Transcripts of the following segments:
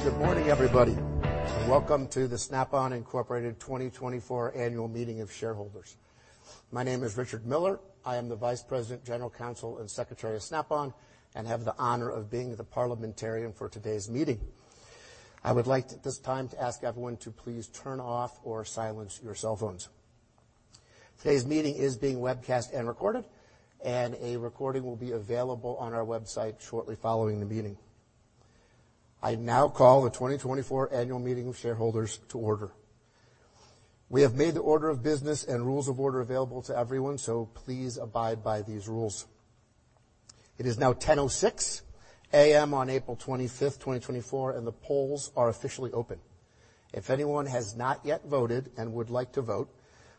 Good morning, everybody, and welcome to the Snap-on Incorporated 2024 Annual Meeting of Shareholders. My name is Richard Miller. I am the Vice President, General Counsel, and Secretary of Snap-on, and have the honor of being the parliamentarian for today's meeting. I would like at this time to ask everyone to please turn off or silence your cell phones. Today's meeting is being webcast and recorded, and a recording will be available on our website shortly following the meeting. I now call the 2024 Annual Meeting of Shareholders to order. We have made the order of business and rules of order available to everyone, so please abide by these rules. It is now 10:06 A.M. on April 25th, 2024, and the polls are officially open. If anyone has not yet voted and would like to vote,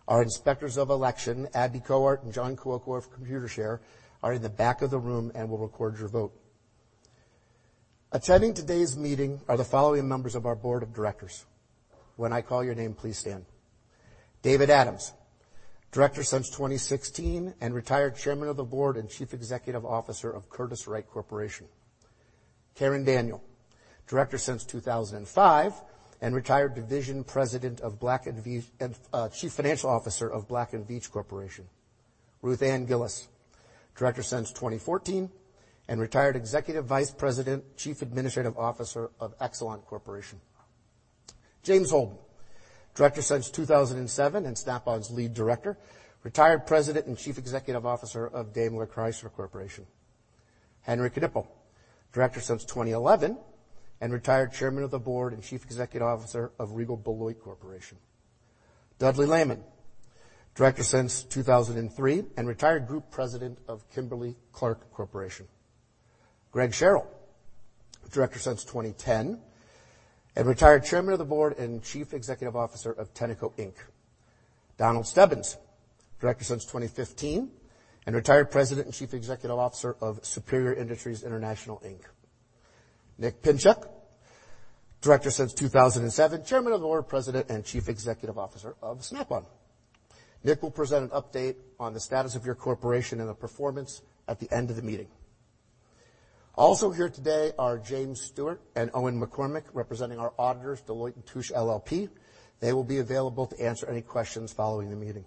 our Inspectors of Election, Abby Cowart and John Cuoco of Computershare are in the back of the room and will record your vote. Attending today's meeting are the following members of our Board of Directors. When I call your name, please stand. David Adams, Director since 2016, and retired Chairman of the Board and Chief Executive Officer of Curtiss-Wright Corporation. Karen Daniel, Director since 2005, and retired Division President and Chief Financial Officer of Black & Veatch Corporation. Ruth Ann Gillis, Director since 2014, and retired Executive Vice President, Chief Administrative Officer of Exelon Corporation. James Holden, Director since 2007 and Snap-on's Lead Director, retired President and Chief Executive Officer of Daimler Chrysler Corporation. Henry Knippel, Director since 2011, and retired Chairman of the Board and Chief Executive Officer of Regal Beloit Corporation. Dudley Lehman, Director since 2003, and retired Group President of Kimberly-Clark Corporation. Greg Sherrill, Director since 2010, and retired Chairman of the Board and Chief Executive Officer of Tenneco Inc. Donald Stebbins, Director since 2015, and retired President and Chief Executive Officer of Superior Industries International Inc. Nick Pinchuk, Director since 2007, Chairman of the Board, President, and Chief Executive Officer of Snap-on. Nick will present an update on the status of your corporation and the performance at the end of the meeting. Also here today are James Stewart and Owen McCormick, representing our auditors, Deloitte & Touche LLP. They will be available to answer any questions following the meeting.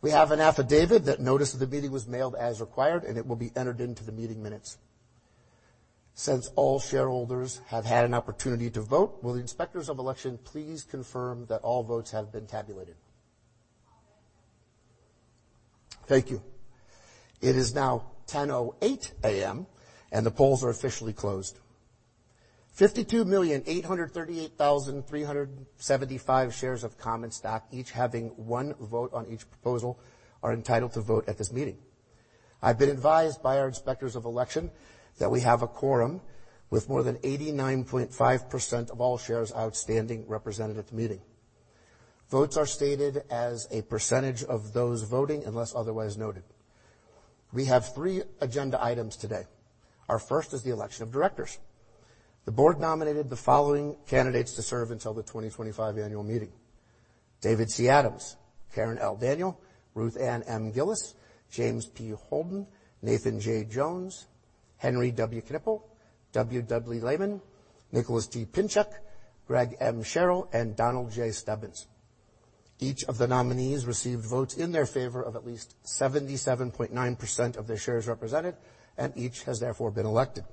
We have an affidavit that notices the meeting was mailed as required, and it will be entered into the meeting minutes. Since all shareholders have had an opportunity to vote, will the Inspectors of Election please confirm that all votes have been tabulated? Thank you. It is now 10:08 A.M., and the polls are officially closed. 52,838,375 shares of common stock, each having one vote on each proposal, are entitled to vote at this meeting. I've been advised by our Inspectors of Election that we have a quorum with more than 89.5% of all shares outstanding represented at the meeting. Votes are stated as a percentage of those voting unless otherwise noted. We have three agenda items today. Our first is the election of directors. The board nominated the following candidates to serve until the 2025 Annual Meeting: David C. Adams, Karen L. Daniel, Ruth Ann M. Gillis, James P. Holden, Nathan J. Jones, Henry W. Knippel, W. W. Lehman, Nicholas D. Pinchuk, Greg M. Sherrill, and Donald J. Stebbins. Each of the nominees received votes in their favor of at least 77.9% of the shares represented, and each has therefore been elected.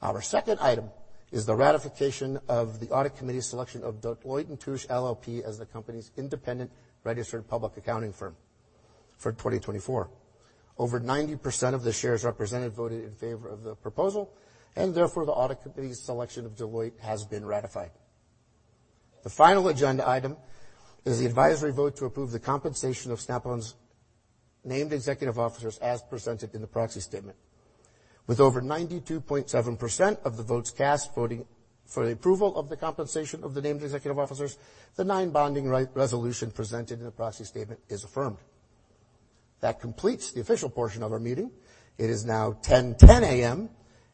Our second item is the ratification of the Audit Committee's selection of Deloitte & Touche LLP as the company's independent registered public accounting firm for 2024. Over 90% of the shares represented voted in favor of the proposal, and therefore the Audit Committee's selection of Deloitte has been ratified. The final agenda item is the advisory vote to approve the compensation of Snap-on's named executive officers as presented in the proxy statement. With over 92.7% of the votes cast voting for the approval of the compensation of the named executive officers, the non-binding resolution presented in the proxy statement is affirmed. That completes the official portion of our meeting. It is now 10:10 A.M.,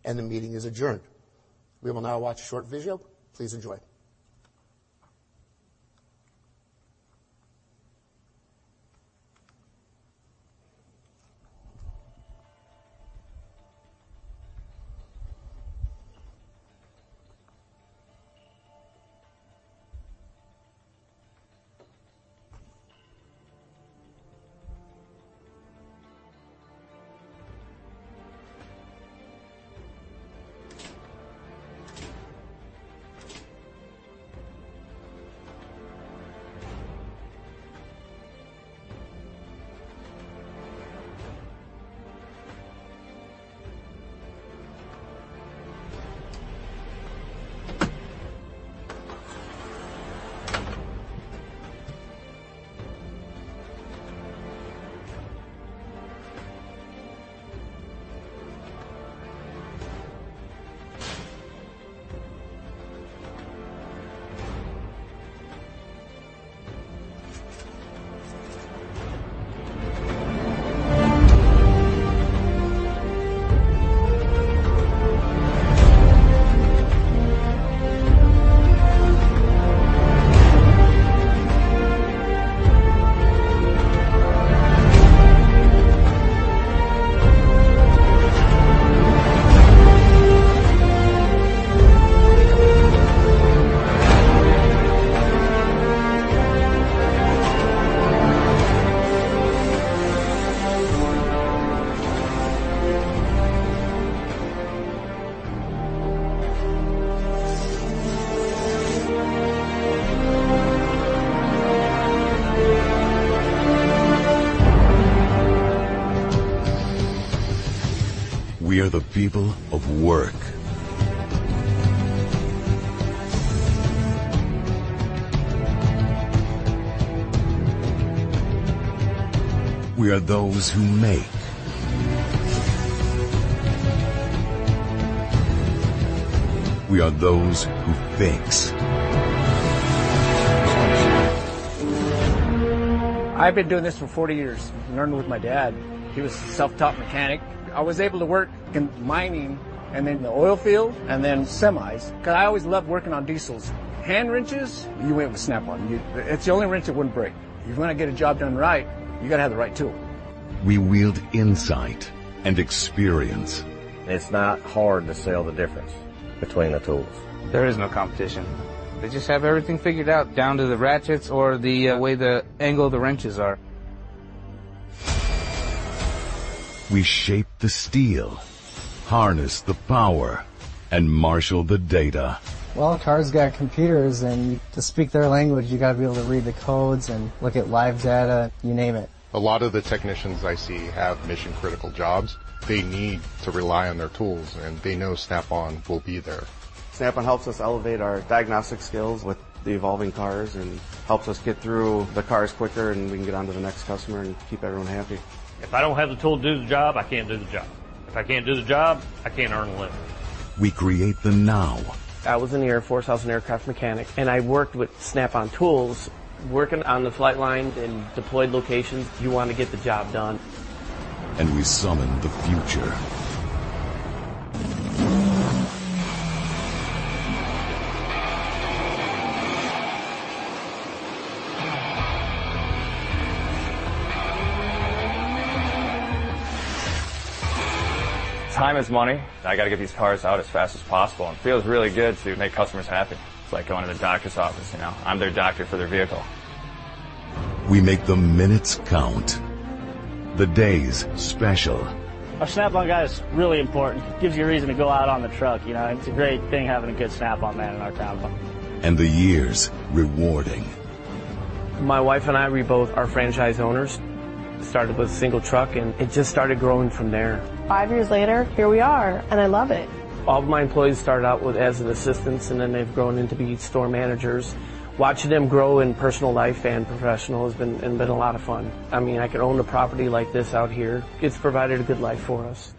and the meeting is adjourned. We will now watch a short video. Please enjoy. We are the people of work. We are those who make. We are those who fix. I've been doing this for 40 years. Learned it with my dad. He was a self-taught mechanic. I was able to work in mining and then the oil field and then semis because I always loved working on diesels. Hand wrenches, you went with Snap-on. It's the only wrench that wouldn't break. If you want to get a job done right, you got to have the right tool. We wield insight and experience. It's not hard to sell the difference between the tools. There is no competition. They just have everything figured out down to the ratchets or the way the angle of the wrenches are. We shape the steel, harness the power, and marshal the data. Cars got computers, and to speak their language, you got to be able to read the codes and look at live data. You name it. A lot of the technicians I see have mission-critical jobs. They need to rely on their tools, and they know Snap-on will be there. Snap-on helps us elevate our diagnostic skills with the evolving cars and helps us get through the cars quicker, and we can get on to the next customer and keep everyone happy. If I don't have the tool to do the job, I can't do the job. If I can't do the job, I can't earn a living. We create the now. I was in the Air Force as an aircraft mechanic, and I worked with Snap-on Tools. Working on the flight lines in deployed locations, you want to get the job done. We summon the future. Time is money. I got to get these cars out as fast as possible. It feels really good to make customers happy. It's like going to the doctor's office. You know, I'm their doctor for their vehicle. We make the minutes count. The days special. A Snap-on guy is really important. It gives you a reason to go out on the truck. You know, it's a great thing having a good Snap-on man in our town. And the years rewarding. My wife and I, we both are franchise owners. Started with a single truck, and it just started growing from there. Five years later, here we are, and I love it. All of my employees started out as an assistant, and then they've grown into being store managers. Watching them grow in personal life and professional has been a lot of fun. I mean, I can own a property like this out here. It's provided a good life for us.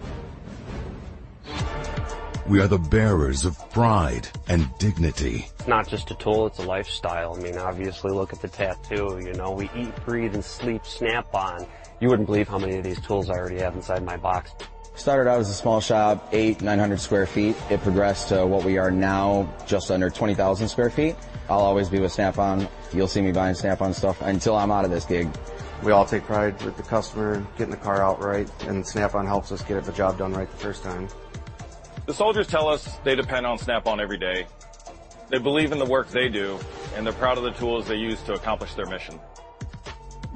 We are the bearers of pride and dignity. It's not just a tool. It's a lifestyle. I mean, obviously, look at the tattoo. You know, we eat, breathe, and sleep Snap-on. You wouldn't believe how many of these tools I already have inside my box. Started out as a small shop, 8,900 sq ft. It progressed to what we are now, just under 20,000 sq ft. I'll always be with Snap-on. You'll see me buying Snap-on stuff until I'm out of this gig. We all take pride with the customer, getting the car out right, and Snap-on helps us get the job done right the first time. The soldiers tell us they depend on Snap-on every day. They believe in the work they do, and they're proud of the tools they use to accomplish their mission.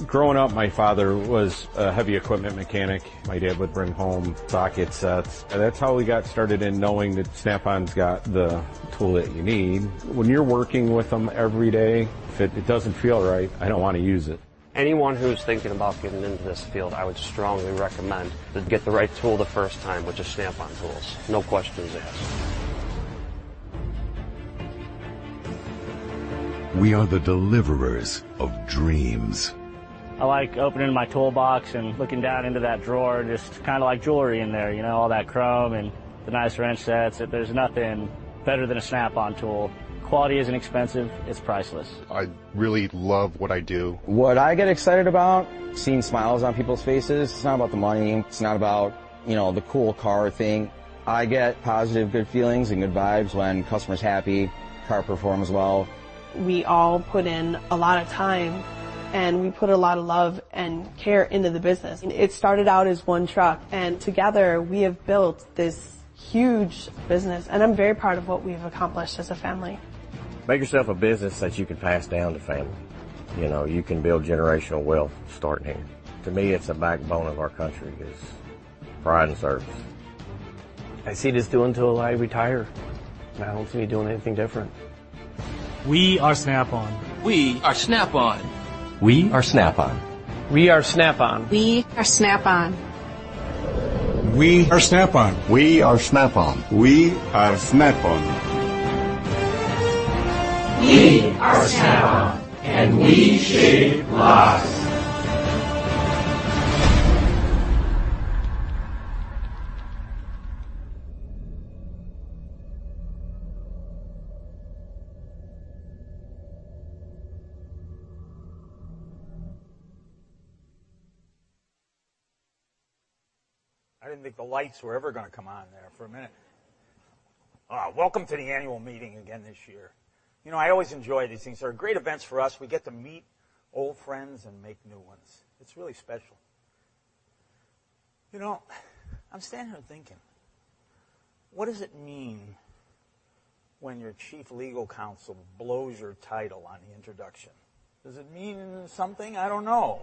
Growing up, my father was a heavy equipment mechanic. My dad would bring home socket sets. That's how we got started in knowing that Snap-on's got the tool that you need. When you're working with them every day, if it doesn't feel right, I don't want to use it. Anyone who's thinking about getting into this field, I would strongly recommend to get the right tool the first time, which is Snap-on tools. No questions asked. We are the deliverers of dreams. I like opening my toolbox and looking down into that drawer, just kind of like jewelry in there. You know, all that chrome and the nice wrench sets. There's nothing better than a Snap-on tool. Quality isn't expensive. It's priceless. I really love what I do. What I get excited about is seeing smiles on people's faces. It's not about the money. It's not about, you know, the cool car thing. I get positive, good feelings and good vibes when customers are happy, cars perform as well. We all put in a lot of time, and we put a lot of love and care into the business. It started out as one truck, and together we have built this huge business, and I'm very proud of what we've accomplished as a family. Make yourself a business that you can pass down to family. You know, you can build generational wealth starting here. To me, it's a backbone of our country. It's pride and service. I see this doing until I retire. I don't see me doing anything different. We are Snap-on. We are Snap-on. We are Snap-on. We are Snap-on. We are Snap-on. We are Snap-on. We are Snap-on. We are Snap-on. We are Snap-on, and we shape lives. I didn't think the lights were ever going to come on there for a minute. Welcome to the annual meeting again this year. You know, I always enjoy these things. They're great events for us. We get to meet old friends and make new ones. It's really special. You know, I'm standing here thinking, what does it mean when your Chief Legal Counsel blows your title on the introduction? Does it mean something? I don't know.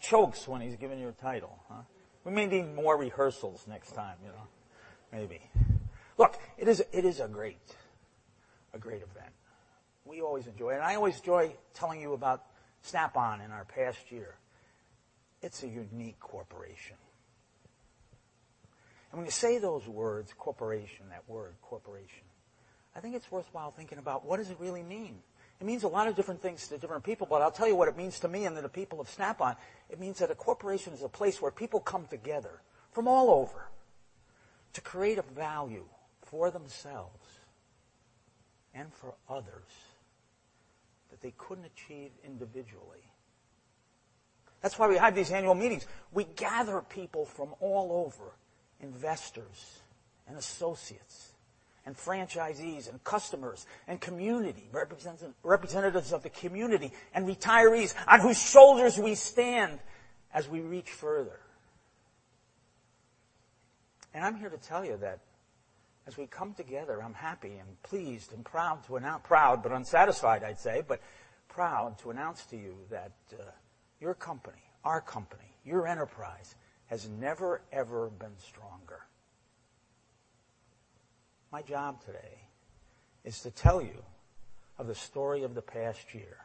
Chokes when he's giving you a title, huh? We may need more rehearsals next time, you know? Maybe. Look, it is a great event. We always enjoy it. I always enjoy telling you about Snap-on in our past year. It's a unique corporation. And when you say those words, corporation, that word, corporation, I think it's worthwhile thinking about what does it really mean? It means a lot of different things to different people, but I'll tell you what it means to me and to the people of Snap-on. It means that a corporation is a place where people come together from all over to create a value for themselves and for others that they couldn't achieve individually. That is why we have these annual meetings. We gather people from all over, investors and associates and franchisees and customers and community representatives of the community and retirees on whose shoulders we stand as we reach further. I'm here to tell you that as we come together, I'm happy and pleased and proud to announce, proud but unsatisfied, I'd say, but proud to announce to you that your company, our company, your enterprise has never, ever been stronger. My job today is to tell you of the story of the past year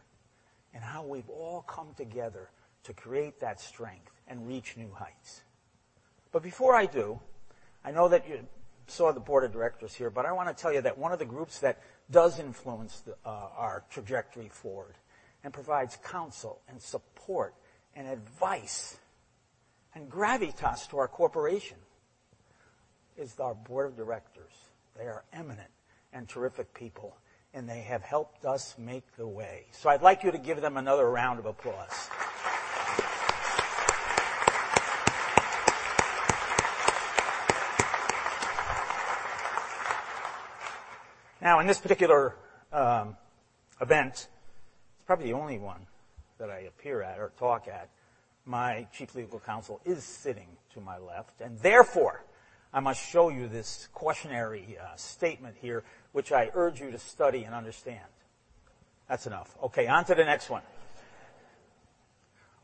and how we've all come together to create that strength and reach new heights. Before I do, I know that you saw the board of directors here, but I want to tell you that one of the groups that does influence our trajectory forward and provides counsel and support and advice and gravitas to our corporation is our board of directors. They are eminent and terrific people, and they have helped us make the way. I would like you to give them another round of applause. Now, in this particular event, it's probably the only one that I appear at or talk at, my Chief Legal Counsel is sitting to my left, and therefore I must show you this cautionary statement here, which I urge you to study and understand. That's enough. Okay, on to the next one.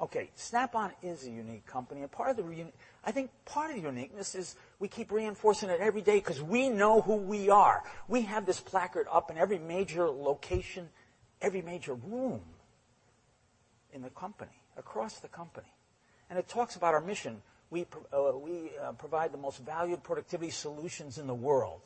Okay, Snap-on is a unique company. I think part of the uniqueness is we keep reinforcing it every day because we know who we are. We have this placard up in every major location, every major room in the company, across the company. It talks about our mission. We provide the most valued productivity solutions in the world.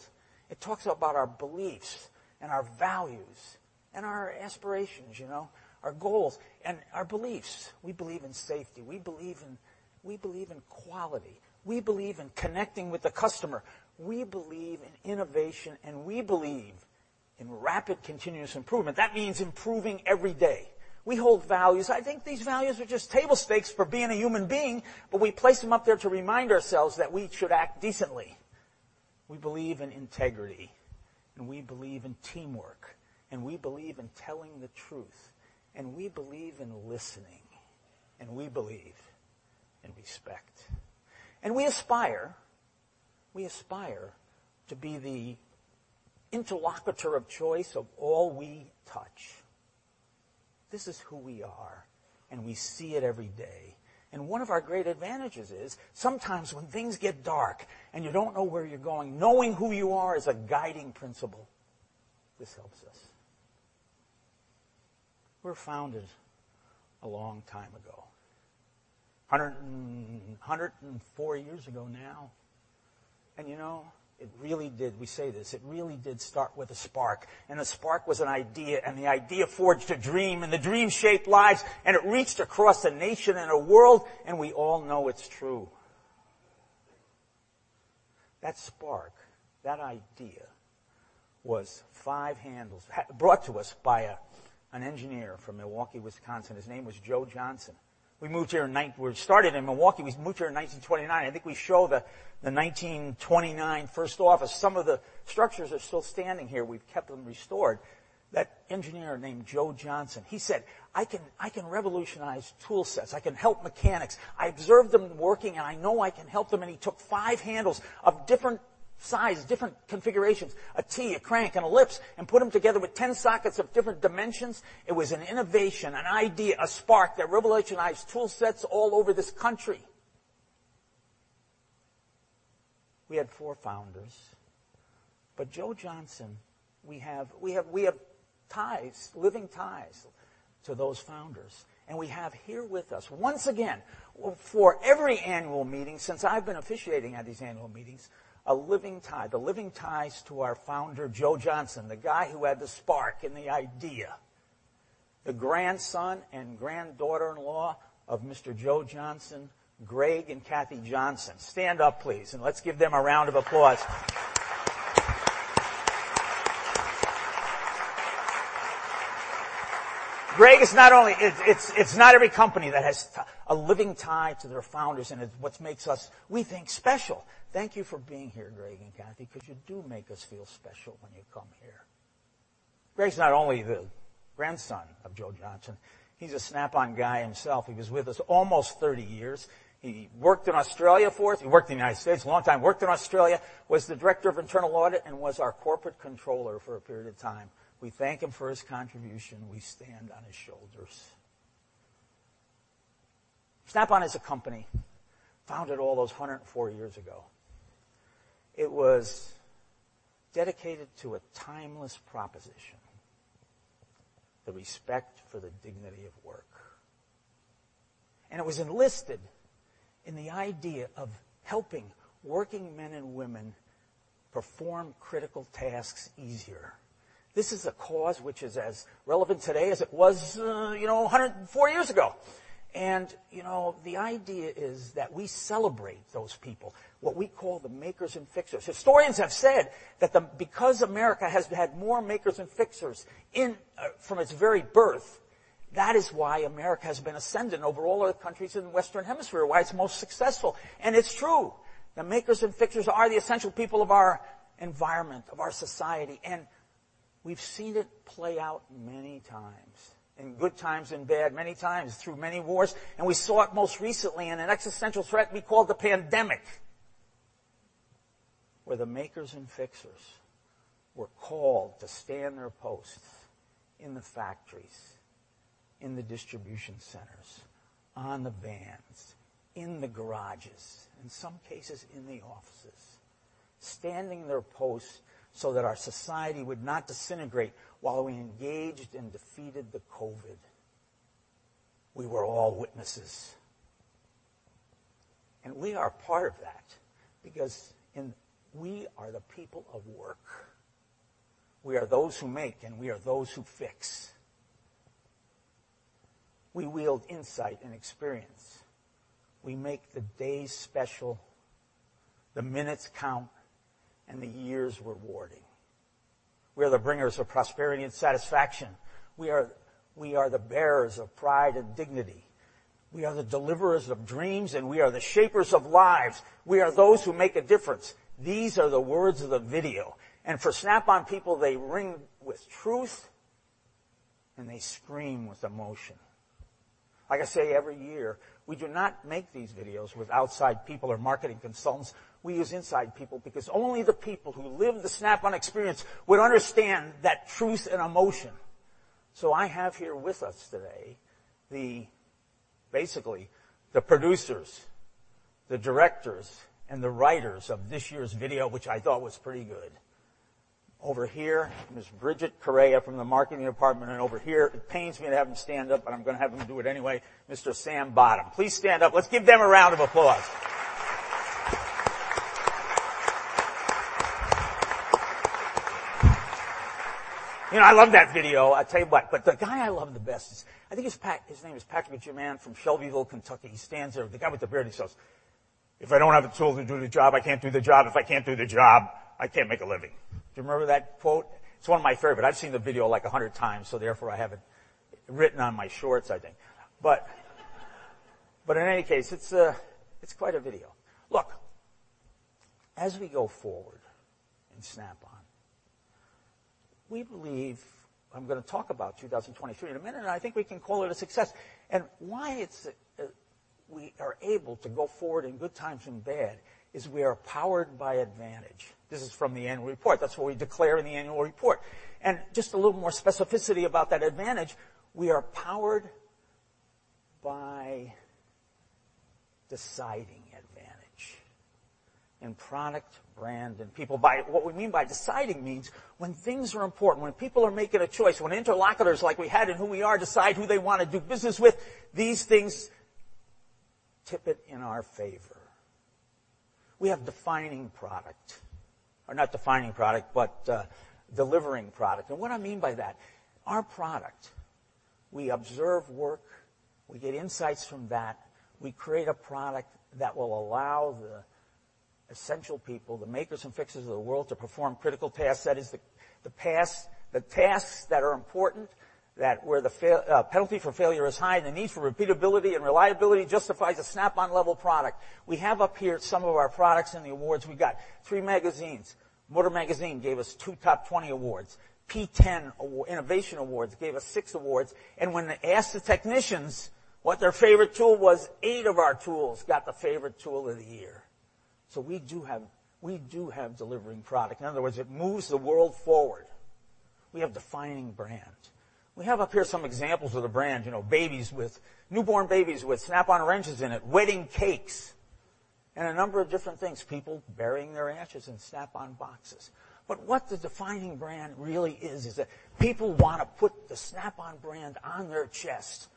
It talks about our beliefs and our values and our aspirations, you know, our goals and our beliefs. We believe in safety. We believe in quality. We believe in connecting with the customer. We believe in innovation, and we believe in rapid continuous improvement. That means improving every day. We hold values. I think these values are just table stakes for being a human being, but we place them up there to remind ourselves that we should act decently. We believe in integrity, and we believe in teamwork, and we believe in telling the truth, and we believe in listening, and we believe in respect. We aspire to be the interlocutor of choice of all we touch. This is who we are, and we see it every day. One of our great advantages is sometimes when things get dark and you do not know where you are going, knowing who you are is a guiding principle. This helps us. We were founded a long time ago, 104 years ago now. You know, it really did, we say this, it really did start with a spark. A spark was an idea, and the idea forged a dream, and the dream shaped lives, and it reached across a nation and a world, and we all know it is true. That spark, that idea was five handles brought to us by an engineer from Milwaukee, Wisconsin. His name was Joe Johnson. We moved here in 1929. We started in Milwaukee. We moved here in 1929. I think we show the 1929 first office. Some of the structures are still standing here. We've kept them restored. That engineer named Joe Johnson, he said, "I can revolutionize tool sets. I can help mechanics. I observe them working, and I know I can help them." He took five handles of different sizes, different configurations, a T, a crank, and a lips, and put them together with 10 sockets of different dimensions. It was an innovation, an idea, a spark that revolutionized tool sets all over this country. We had four founders, but Joe Johnson, we have ties, living ties to those founders. We have here with us, once again, for every annual meeting since I've been officiating at these annual meetings, a living tie, the living ties to our founder, Joe Johnson, the guy who had the spark and the idea, the grandson and granddaughter-in-law of Mr. Joe Johnson, Greg and Kathy Johnson. Stand up, please, and let's give them a round of applause. Greg is not only, it's not every company that has a living tie to their founders and is what makes us, we think, special. Thank you for being here, Greg and Kathy, because you do make us feel special when you come here. Greg's not only the grandson of Joe Johnson. He's a Snap-on guy himself. He was with us almost 30 years. He worked in Australia for us. He worked in the United States a long time, worked in Australia, was the Director of Internal Audit, and was our Corporate Controller for a period of time. We thank him for his contribution. We stand on his shoulders. Snap-on is a company founded all those 104 years ago. It was dedicated to a timeless proposition, the respect for the dignity of work. It was enlisted in the idea of helping working men and women perform critical tasks easier. This is a cause which is as relevant today as it was, you know, 104 years ago. You know, the idea is that we celebrate those people, what we call the makers and fixers. Historians have said that because America has had more makers and fixers from its very birth, that is why America has been ascendant over all other countries in the Western Hemisphere, why it's most successful. It is true. The makers and fixers are the essential people of our environment, of our society. We have seen it play out many times, in good times and bad, many times through many wars. We saw it most recently in an existential threat we called the pandemic, where the makers and fixers were called to stand their posts in the factories, in the distribution centers, on the vans, in the garages, in some cases in the offices, standing their posts so that our society would not disintegrate while we engaged and defeated the COVID. We were all witnesses. We are part of that because we are the people of work. We are those who make, and we are those who fix. We wield insight and experience. We make the days special, the minutes count, and the years rewarding. We are the bringers of prosperity and satisfaction. We are the bearers of pride and dignity. We are the deliverers of dreams, and we are the shapers of lives. We are those who make a difference. These are the words of the video. For Snap-on people, they ring with truth, and they scream with emotion. Like I say every year, we do not make these videos with outside people or marketing consultants. We use inside people because only the people who live the Snap-on experience would understand that truth and emotion. I have here with us today the, basically, the producers, the directors, and the writers of this year's video, which I thought was pretty good. Over here, Ms. Bridget Correa from the marketing department. Over here, it pains me to have them stand up, but I am going to have them do it anyway. Mr. Sam Bottom, please stand up. Let's give them a round of applause. You know, I love that video. I'll tell you what. The guy I love the best is, I think his name is Patrick McGimann from Shelbyville, Kentucky. He stands there, the guy with the beard, he says, "If I don't have the tools to do the job, I can't do the job. If I can't do the job, I can't make a living." Do you remember that quote? It's one of my favorites. I've seen the video like 100 times, so therefore I have it written on my shorts, I think. In any case, it's quite a video. Look, as we go forward in Snap-on, we believe, I'm going to talk about 2023 in a minute, and I think we can call it a success. Why we are able to go forward in good times and bad is we are powered by advantage. This is from the annual report. That is what we declare in the annual report. Just a little more specificity about that advantage, we are powered by deciding advantage. Product, brand, and people buy it. What we mean by deciding means when things are important, when people are making a choice, when interlocutors like we had in Who we are decide who they want to do business with, these things tip it in our favor. We have defining product, or not defining product, but delivering product. What I mean by that, our product, we observe work, we get insights from that, we create a product that will allow the essential people, the makers and fixers of the world, to perform critical tasks. That is the tasks that are important, that where the penalty for failure is high and the need for repeatability and reliability justifies a Snap-on level product. We have up here some of our products in the awards. We have got three magazines. Motor magazine gave us two top 20 awards. P10 Innovation Awards gave us six awards. When they asked the technicians what their favorite tool was, eight of our tools got the favorite tool of the year. We do have delivering product. In other words, it moves the world forward. We have defining brand. We have up here some examples of the brand, you know, newborn babies with Snap-on wrenches in it, wedding cakes, and a number of different things, people burying their ashes in Snap-on boxes. What the defining brand really is, is that people want to put the Snap-on brand on their chest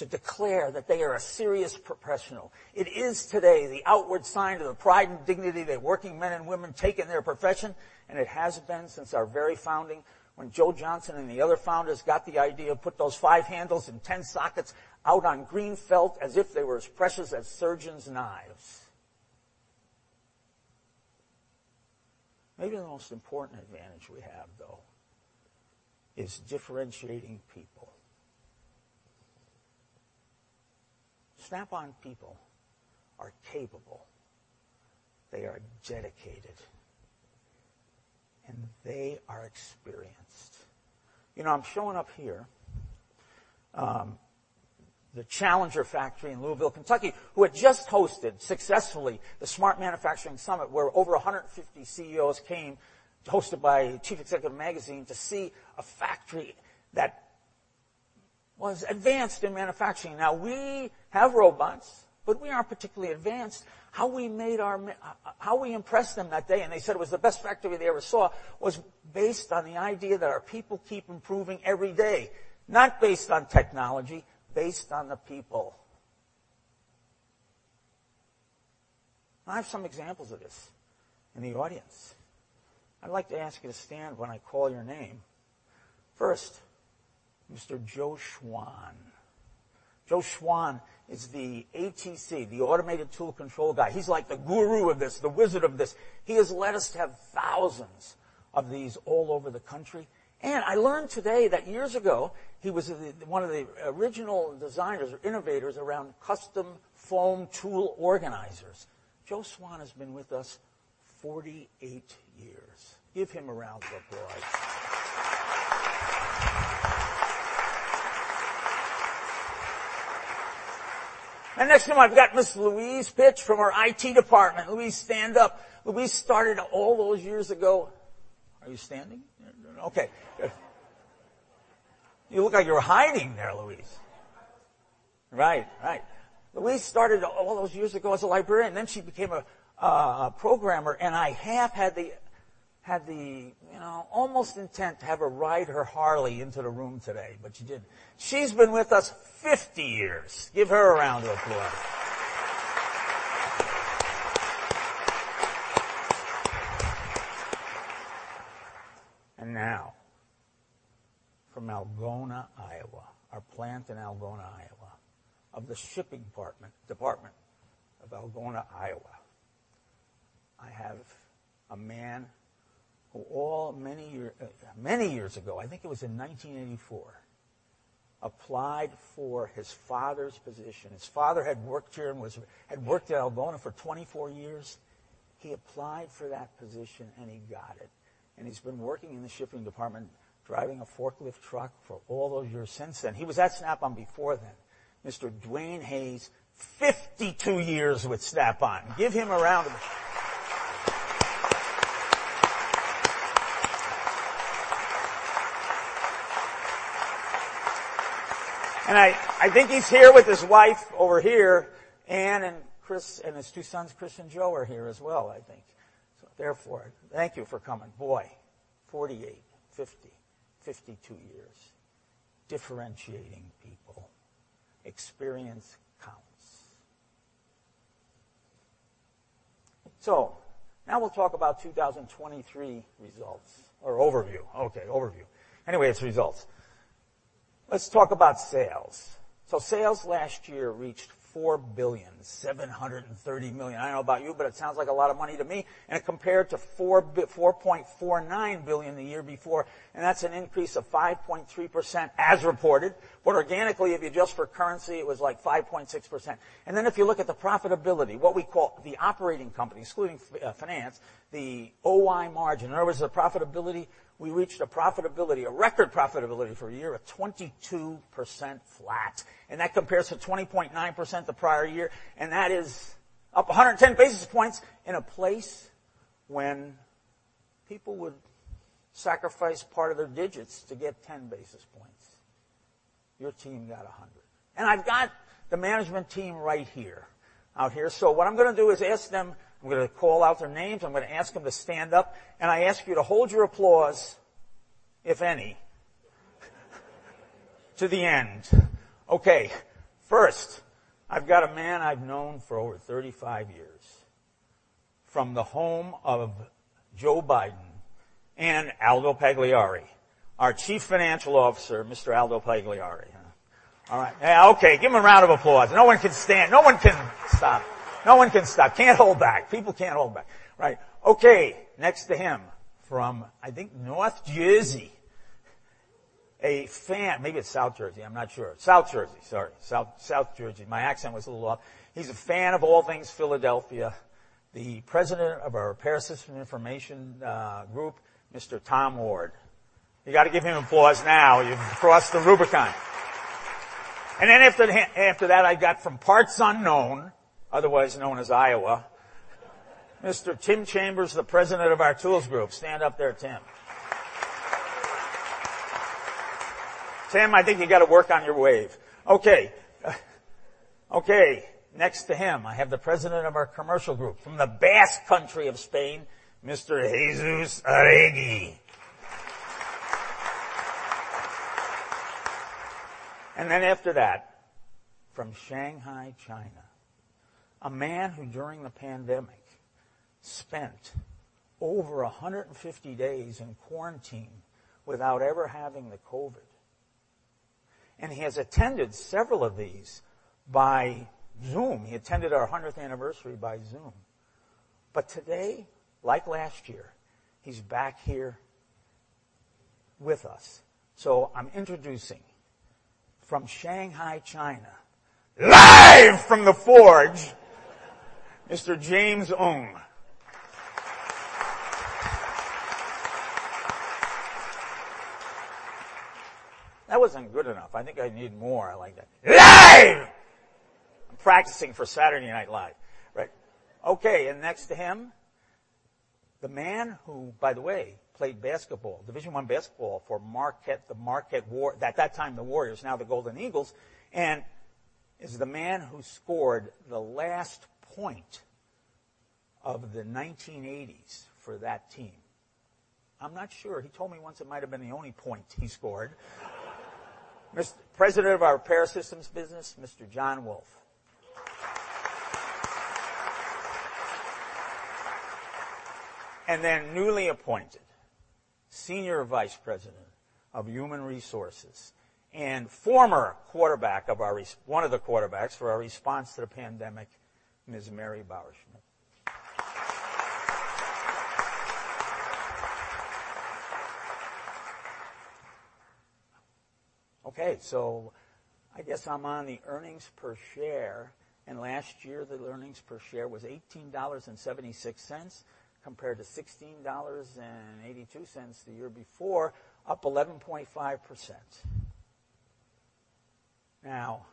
to declare that they are a serious professional. It is today the outward sign of the pride and dignity that working men and women take in their profession, and it has been since our very founding when Joe Johnson and the other founders got the idea to put those five handles and 10 sockets out on green felt as if they were as precious as surgeon's knives. Maybe the most important advantage we have, though, is differentiating people. Snap-on people are capable. They are dedicated, and they are experienced. You know, I'm showing up here, the Challenger Factory in Louisville, Kentucky, who had just hosted successfully the Smart Manufacturing Summit, where over 150 CEOs came, hosted by Chief Executive Magazine, to see a factory that was advanced in manufacturing. Now, we have robots, but we aren't particularly advanced. How we made our, how we impressed them that day, and they said it was the best factory they ever saw, was based on the idea that our people keep improving every day, not based on technology, based on the people. I have some examples of this in the audience. I'd like to ask you to stand when I call your name. First, Mr. Joe Schwan. Joe Schwan is the ATC, the automated tool control guy. He's like the guru of this, the wizard of this. He has led us to have thousands of these all over the country. I learned today that years ago he was one of the original designers or innovators around custom foam tool organizers. Joe Schwan has been with us 48 years. Give him a round of applause. And next to him, I've got Ms. Louise Pitch from our IT department. Louise, stand up. Louise started all those years ago. Are you standing? Okay. You look like you're hiding there, Louise. Right, right. Louise started all those years ago as a librarian, and then she became a programmer. I have had the, you know, almost intent to have her ride her Harley into the room today, but she didn't. She's been with us 50 years. Give her a round of applause. Now, from Algona, Iowa, our plant in Algona, Iowa, of the shipping department of Algona, Iowa, I have a man who many years ago, I think it was in 1984, applied for his father's position. His father had worked here and had worked at Algona for 24 years. He applied for that position, and he got it. He's been working in the shipping department, driving a forklift truck for all those years since then. He was at Snap-on before then. Mr. Dwayne Hayes, 52 years with Snap-on. Give him a round of applause. I think he's here with his wife over here, Ann and Chris, and his two sons, Chris and Joe, are here as well, I think. Therefore, thank you for coming. Boy, 48, 50, 52 years, differentiating people. Experience counts. Now we'll talk about 2023 results, or overview. Okay, overview. Anyway, it's results. Let's talk about sales. Sales last year reached $4.730 billion. I don't know about you, but it sounds like a lot of money to me. It compared to $4.49 billion the year before. That's an increase of 5.3% as reported. Organically, if you adjust for currency, it was like 5.6%. If you look at the profitability, what we call the operating company, excluding finance, the OI margin, in other words, the profitability, we reached a profitability, a record profitability for a year of 22%. That compares to 20.9% the prior year. That is up 110 basis points in a place when people would sacrifice part of their digits to get 10 basis points. Your team got 100. I have the management team right here, out here. What I am going to do is ask them, I am going to call out their names. I am going to ask them to stand up. I ask you to hold your applause, if any, to the end. Okay. First, I have a man I have known for over 35 years from the home of Joe Biden and Aldo Pagliari, our Chief Financial Officer, Mr. Aldo Pagliari. All right. Okay. Give him a round of applause. No one can stand. No one can stop. Can't hold back. People can't hold back. Right. Okay. Next to him from, I think, North Jersey, a fan, maybe it's South Jersey. I'm not sure. South Jersey, sorry. South Jersey. My accent was a little off. He's a fan of All Things Philadelphia. The President of our Repair Systems and Information Group, Mr. Tom Ward. You got to give him applause now. You've crossed the Rubicon. After that, I've got from Parts Unknown, otherwise known as Iowa, Mr. Tim Chambers, the President of our Tools Group. Stand up there, Tim. Tim, I think you got to work on your wave. Okay. Okay. Next to him, I have the President of our Commercial Group from the Basque country of Spain, Mr. Jesus Aregi. After that, from Shanghai, China, a man who during the pandemic spent over 150 days in quarantine without ever having the COVID. He has attended several of these by Zoom. He attended our 100th anniversary by Zoom. Today, like last year, he's back here with us. I'm introducing from Shanghai, China, live from the forge, Mr. James Ong. That wasn't good enough. I think I need more. I like that. Live. I'm practicing for Saturday Night Live. Right. Next to him, the man who, by the way, played basketball, Division I basketball for Marquette, the Marquette Warriors. At that time, the Warriors, now the Golden Eagles. He is the man who scored the last point of the 1980s for that team. I'm not sure. He told me once it might have been the only point he scored. President of our repair systems business, Mr. John Wolf. And then newly appointed Senior Vice President of Human Resources and former quarterback of our, one of the quarterbacks for our response to the pandemic, Ms. Mary Bauerschmidt. Okay. I guess I'm on the earnings per share. Last year, the earnings per share was $18.76 compared to $16.82 the year before, up 11.5%. Now,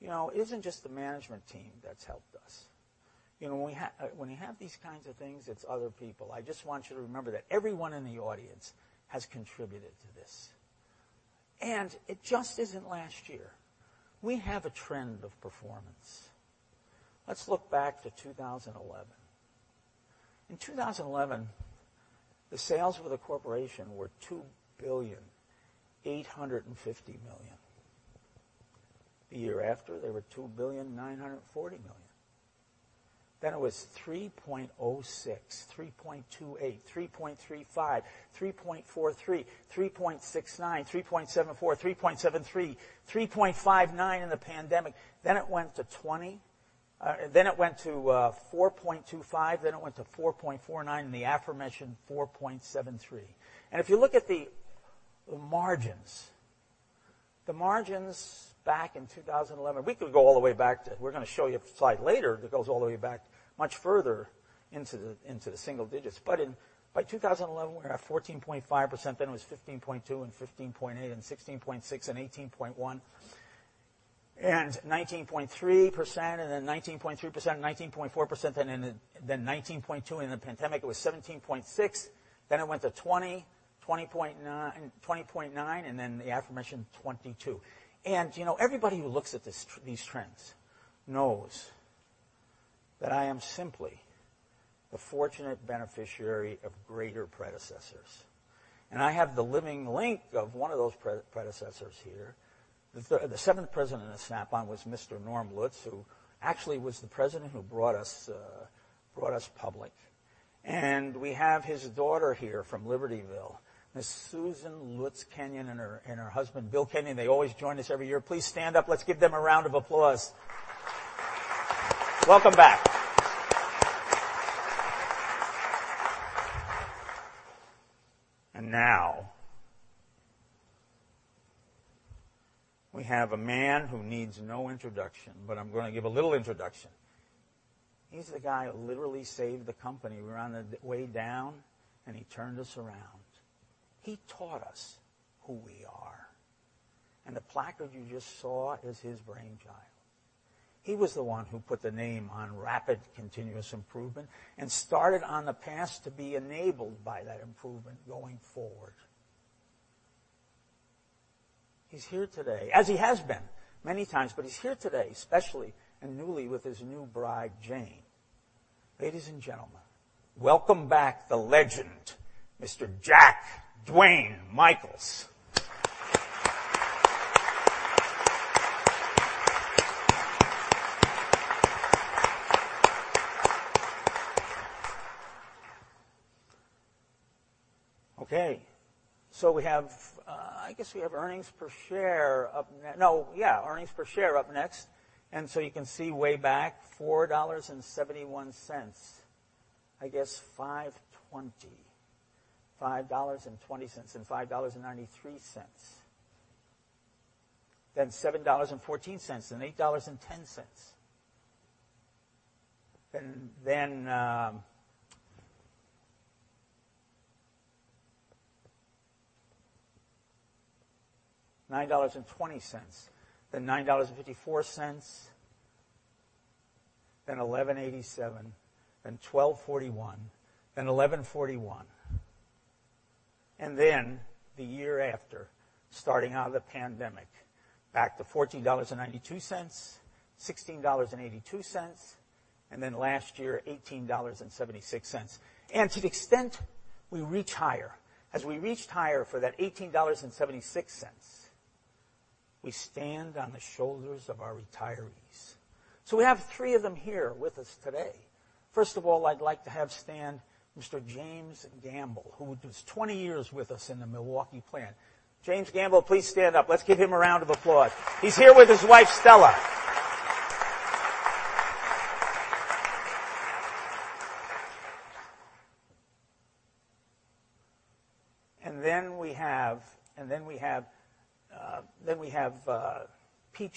you know, it isn't just the management team that's helped us. You know, when you have these kinds of things, it's other people. I just want you to remember that everyone in the audience has contributed to this. It just isn't last year. We have a trend of performance. Let's look back to 2011. In 2011, the sales for the corporation were $2.850 billion. The year after, they were $2.940 billion. It was 3.06, 3.28, 3.35, 3.43, 3.69, 3.74, 3.73, 3.59 in the pandemic. It went to 20. It went to 4.25. It went to 4.49 in the aforementioned 4.73. If you look at the margins, the margins back in 2011, we could go all the way back to, we are going to show you a slide later that goes all the way back much further into the single digits. By 2011, we were at 14.5%. It was 15.2% and 15.8% and 16.6% and 18.1% and 19.3% and then 19.3%, 19.4%, then 19.2%. In the pandemic, it was 17.6%. It went to 20%, 20.9%, and then the aforementioned 22%. You know, everybody who looks at these trends knows that I am simply the fortunate beneficiary of greater predecessors. I have the living link of one of those predecessors here. The seventh president of Snap-on was Mr. Norm Lutz, who actually was the president who brought us public. We have his daughter here from Libertyville, Ms. Susan Lutz Kenyon and her husband, Bill Kenyon. They always join us every year. Please stand up. Let's give them a round of applause. Welcome back. Now, we have a man who needs no introduction, but I'm going to give a little introduction. He's the guy who literally saved the company. We were on the way down, and he turned us around. He taught us who we are. The placard you just saw is his brainchild. He was the one who put the name on rapid continuous improvement and started on the path to be enabled by that improvement going forward. He's here today, as he has been many times, but he's here today, especially and newly with his new bride, Jane. Ladies and gentlemen, welcome back the legend, Mr. Jack Dwayne Michaels. Okay. We have, I guess we have earnings per share up next. No, yeah, earnings per share up next. You can see way back, $4.71, I guess $5.20, $5.20, and $5.93, then $7.14, then $8.10, then $9.20, then $9.54, then $11.87, then $12.41, then $11.41. The year after, starting out of the pandemic, back to $14.92, $16.82, and then last year, $18.76. To the extent we reach higher, as we reached higher for that $18.76, we stand on the shoulders of our retirees. We have three of them here with us today. First of all, I'd like to have stand Mr. James Gamble, who was 20 years with us in the Milwaukee plant. James Gamble, please stand up. Let's give him a round of applause. He's here with his wife, Stella. We have Pete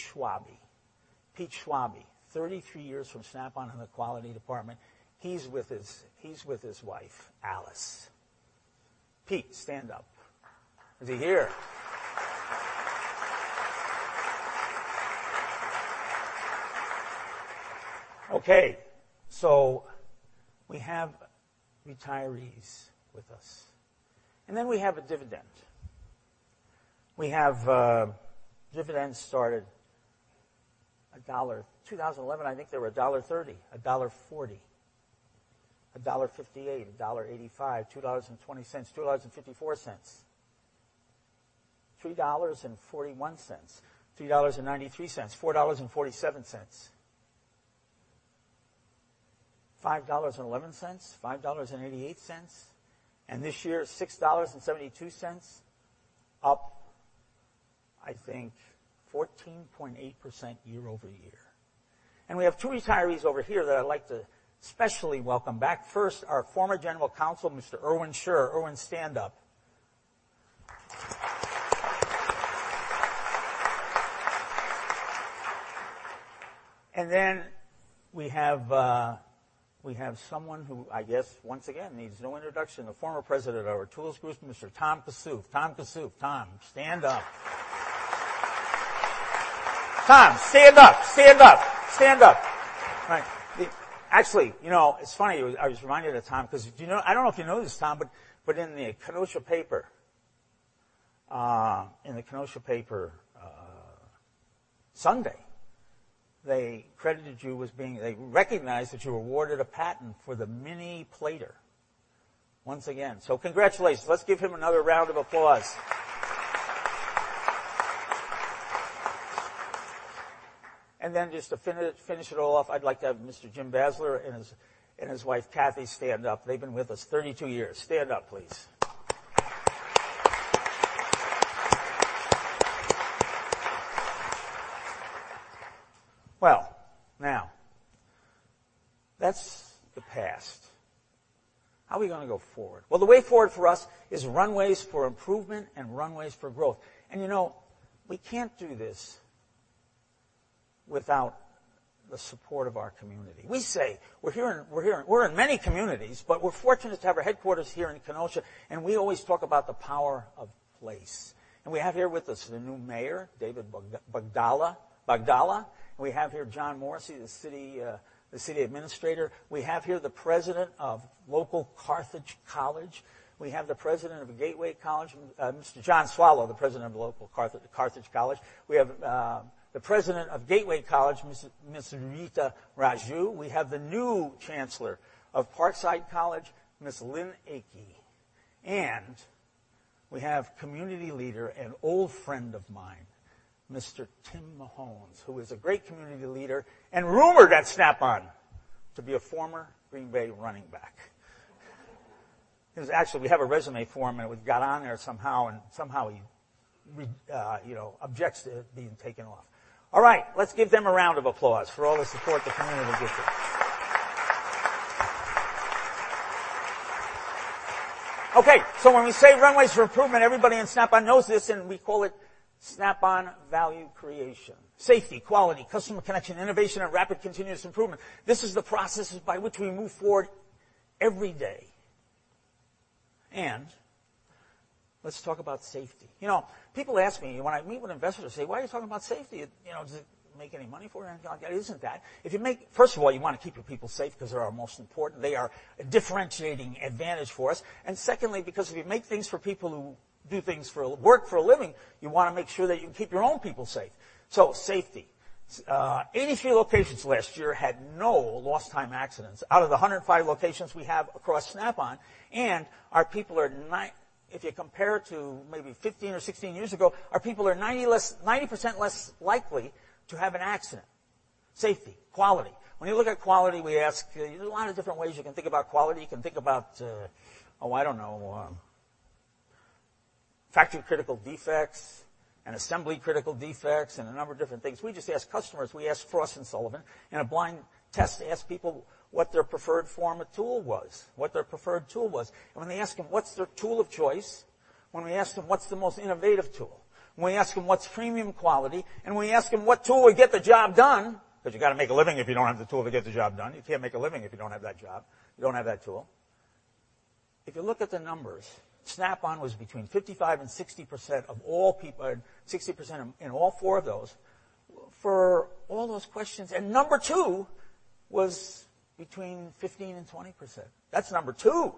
Schwabe, 33 years from Snap-on in the quality department. He's with his wife, Alice. Pete, stand up. Is he here? Okay. We have retirees with us. We have a dividend. We have dividends started $1. In 2011, I think they were $1.30, $1.40, $1.58, $1.85, $2.20, $2.54, $3.41, $3.93, $4.47, $5.11, $5.88, and this year, $6.72, up, I think, 14.8% year-over-year. We have two retirees over here that I'd like to especially welcome back. First, our former general counsel, Mr. Erwin Scher. Erwin, stand up. We have someone who, I guess, once again, needs no introduction, the former President of our tools group, Mr. Tom Kassouf. Tom Kassouf, Tom, stand up. Tom, stand up, stand up, stand up. Right. Actually, you know, it's funny. I was reminded of Tom because, you know, I don't know if you know this, Tom, but in the Kenosha paper, in the Kenosha paper Sunday, they credited you as being, they recognized that you were awarded a patent for the mini plater. Once again, so congratulations. Let's give him another round of applause. Just to finish it all off, I'd like to have Mr. Jim Basler and his wife, Kathy, stand up. They've been with us 32 years. Stand up, please. Now, that's the past. How are we going to go forward? The way forward for us is runways for improvement and runways for growth. You know, we can't do this without the support of our community. We say we're here in, we're in many communities, but we're fortunate to have our headquarters here in Kenosha. We always talk about the power of place. We have here with us the new Mayor, David Bogdala. We have here John Morrissey, the City Administrator. We have here the President of local Carthage College. We have the President of Gateway College, Mr. John Swallow, the president of local Carthage College. We have the president of Gateway College, Ms. Nurita Raju. We have the new chancellor of Parkside College, Ms. Lynn Achey. We have community leader and old friend of mine, Mr. Tim Mahones, who is a great community leader and rumored at Snap-on to be a former Green Bay running back. Actually, we have a resume for him, and we got on there somehow, and somehow he, you know, objects to being taken off. All right. Let's give them a round of applause for all the support the community gives us. Okay. When we say runways for improvement, everybody in Snap-on knows this, and we call it Snap-on value creation. Safety, quality, customer connection, innovation, and rapid continuous improvement. This is the process by which we move forward every day. Let's talk about safety. You know, people ask me, when I meet with investors, they say, "Why are you talking about safety? You know, does it make any money for you?" And I'm like, "It isn't that". If you make, first of all, you want to keep your people safe because they are most important. They are a differentiating advantage for us. Secondly, because if you make things for people who do things for work, for a living, you want to make sure that you keep your own people safe. Safety. 83 locations last year had no lost time accidents out of the 105 locations we have across Snap-on. Our people are, if you compare it to maybe 15 or 16 years ago, our people are 90% less likely to have an accident. Safety, quality. When you look at quality, we ask, there are a lot of different ways you can think about quality. You can think about, oh, I do not know, factory critical defects and assembly critical defects and a number of different things. We just ask customers. We ask Frost & Sullivan. In a blind test, ask people what their preferred form of tool was, what their preferred tool was. When they ask them, "What's their tool of choice?" When we ask them, "What's the most innovative tool?" When we ask them, "What's premium quality?" When we ask them, "What tool will get the job done?" Because you got to make a living if you don't have the tool to get the job done. You can't make a living if you don't have that job. You don't have that tool. If you look at the numbers, Snap-on was between 55% and 60% of all people, 60% in all four of those. For all those questions. Number two was between 15% and 20%. That's number two.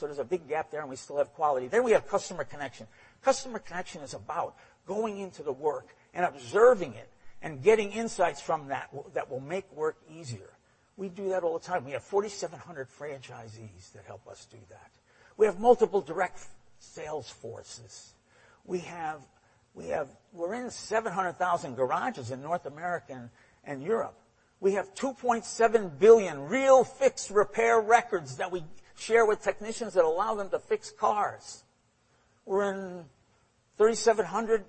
There's a big gap there, and we still have quality. Then we have customer connection. Customer connection is about going into the work and observing it and getting insights from that that will make work easier. We do that all the time. We have 4,700 franchisees that help us do that. We have multiple direct sales forces. We're in 700,000 garages in North America and Europe. We have 2.7 billion real fixed repair records that we share with technicians that allow them to fix cars. We're in 3,700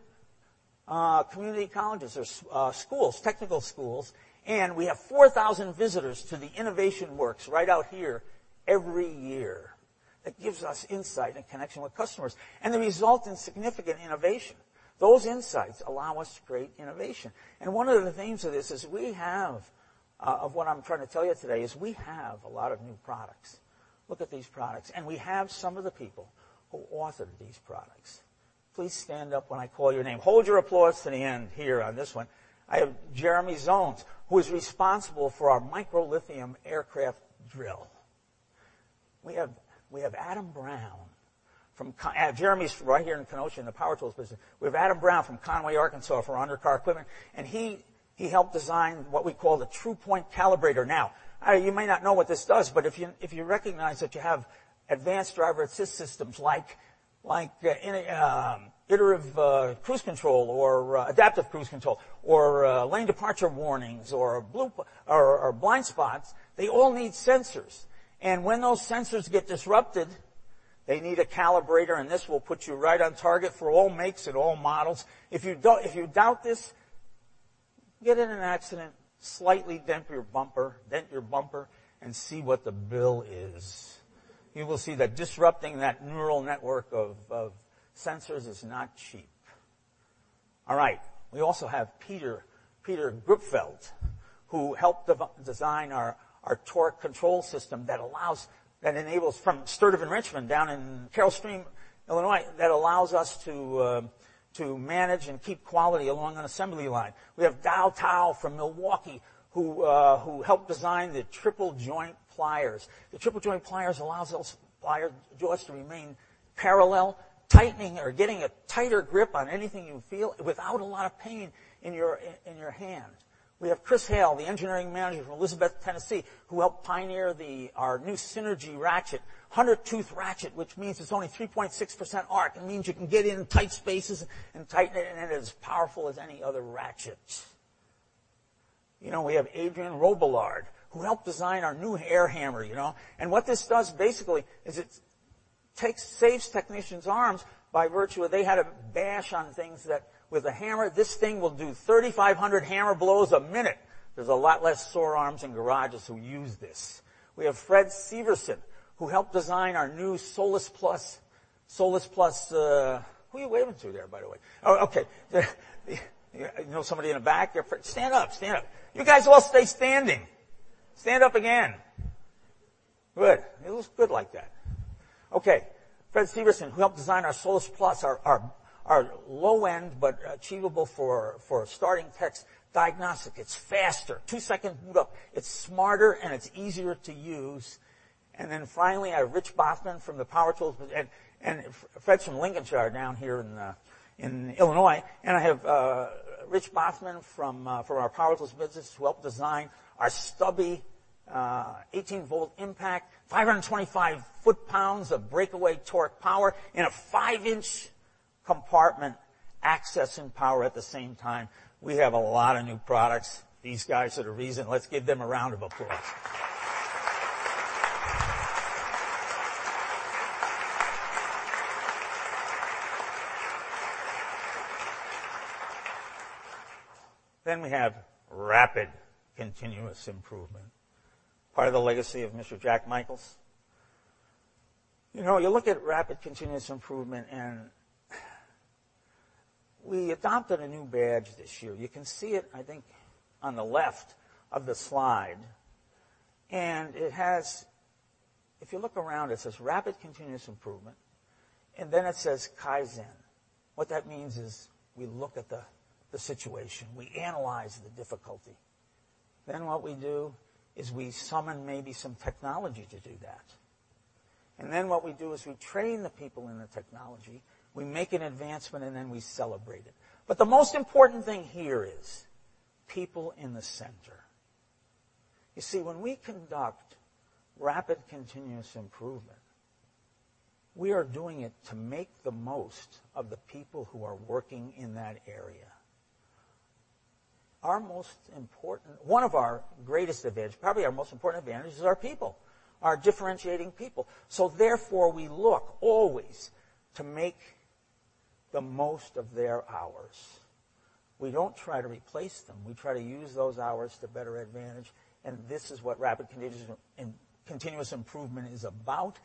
community colleges or schools, technical schools. We have 4,000 visitors to the innovation works right out here every year. That gives us insight and connection with customers. The result is significant innovation. Those insights allow us to create innovation. One of the themes of this is, of what I'm trying to tell you today is we have a lot of new products. Look at these products. We have some of the people who authored these products. Please stand up when I call your name. Hold your applause to the end here on this one. I have Jeremy Zones, who is responsible for our microlithium aircraft drill. We have Adam Brown from Jeremy's right here in Kenosha in the power tools business. We have Adam Brown from Conway, Arkansas, for undercar equipment. And he helped design what we call the Tru-Point Calibrator. Now, you may not know what this does, but if you recognize that you have advanced driver assist systems like iterative cruise control or adaptive cruise control or lane departure warnings or blue or blind spots, they all need sensors. When those sensors get disrupted, they need a calibrator. This will put you right on target for all makes and all models. If you doubt this, get in an accident, slightly dent your bumper, dent your bumper, and see what the bill is. You will see that disrupting that neural network of sensors is not cheap. All right. We also have Peter Grupfeldt, who helped design our torque control system that allows, that enables from Stewart of Enrichment down in Carol Stream, Illinois, that allows us to manage and keep quality along an assembly line. We have Dial-Tow from Milwaukee, who helped design the triple joint pliers. The triple joint pliers allows us to remain parallel, tightening, or getting a tighter grip on anything you feel without a lot of pain in your hand. We have Chris Hale, the engineering manager from Elizabethton, Tennessee, who helped pioneer our new Synergy Ratchet, 100 tooth ratchet, which means it's only 3.6% arc. It means you can get in tight spaces and tighten it, and it is powerful as any other ratchet. You know, we have Adrian Robillard, who helped design our new Air Hammer, you know. What this does basically is it saves technicians' arms by virtue of they had to bash on things that with a hammer, this thing will do 3,500 hammer blows a minute. There are a lot less sore arms in garages who use this. We have Fred Severson, who helped design our new SOLUS+. SOLUS+, who are you waving to there, by the way? Oh, okay. You know somebody in the back? Stand up, stand up. You guys all stay standing. Stand up again. Good. It looks good like that. Okay. Fred Severson, who helped design our SOLUS+, our low-end but achievable for starting techs diagnostic. It's faster. Two seconds moved up. It's smarter and it's easier to use. Finally, I have Rich Boffman from the power tools and Fred from Lincolnshire down here in Illinois. I have Rich Boffman from our power tools business, who helped design our stubby 18-volt impact, 525 foot-pounds of breakaway torque power in a five-inch compartment accessing power at the same time. We have a lot of new products. These guys are the reason. Let's give them a round of applause. We have rapid continuous improvement. Part of the legacy of Mr. Jack Michaels. You know, you look at rapid continuous improvement and we adopted a new badge this year. You can see it, I think, on the left of the slide. It has, if you look around, it says rapid continuous improvement. It says Kaizen. What that means is we look at the situation. We analyze the difficulty. What we do is we summon maybe some technology to do that. What we do is we train the people in the technology. We make an advancement and we celebrate it. The most important thing here is people in the center. You see, when we conduct rapid continuous improvement, we are doing it to make the most of the people who are working in that area. Our most important, one of our greatest advantages, probably our most important advantage is our people, our differentiating people. Therefore we look always to make the most of their hours. We do not try to replace them. We try to use those hours to better advantage. This is what rapid continuous improvement is about.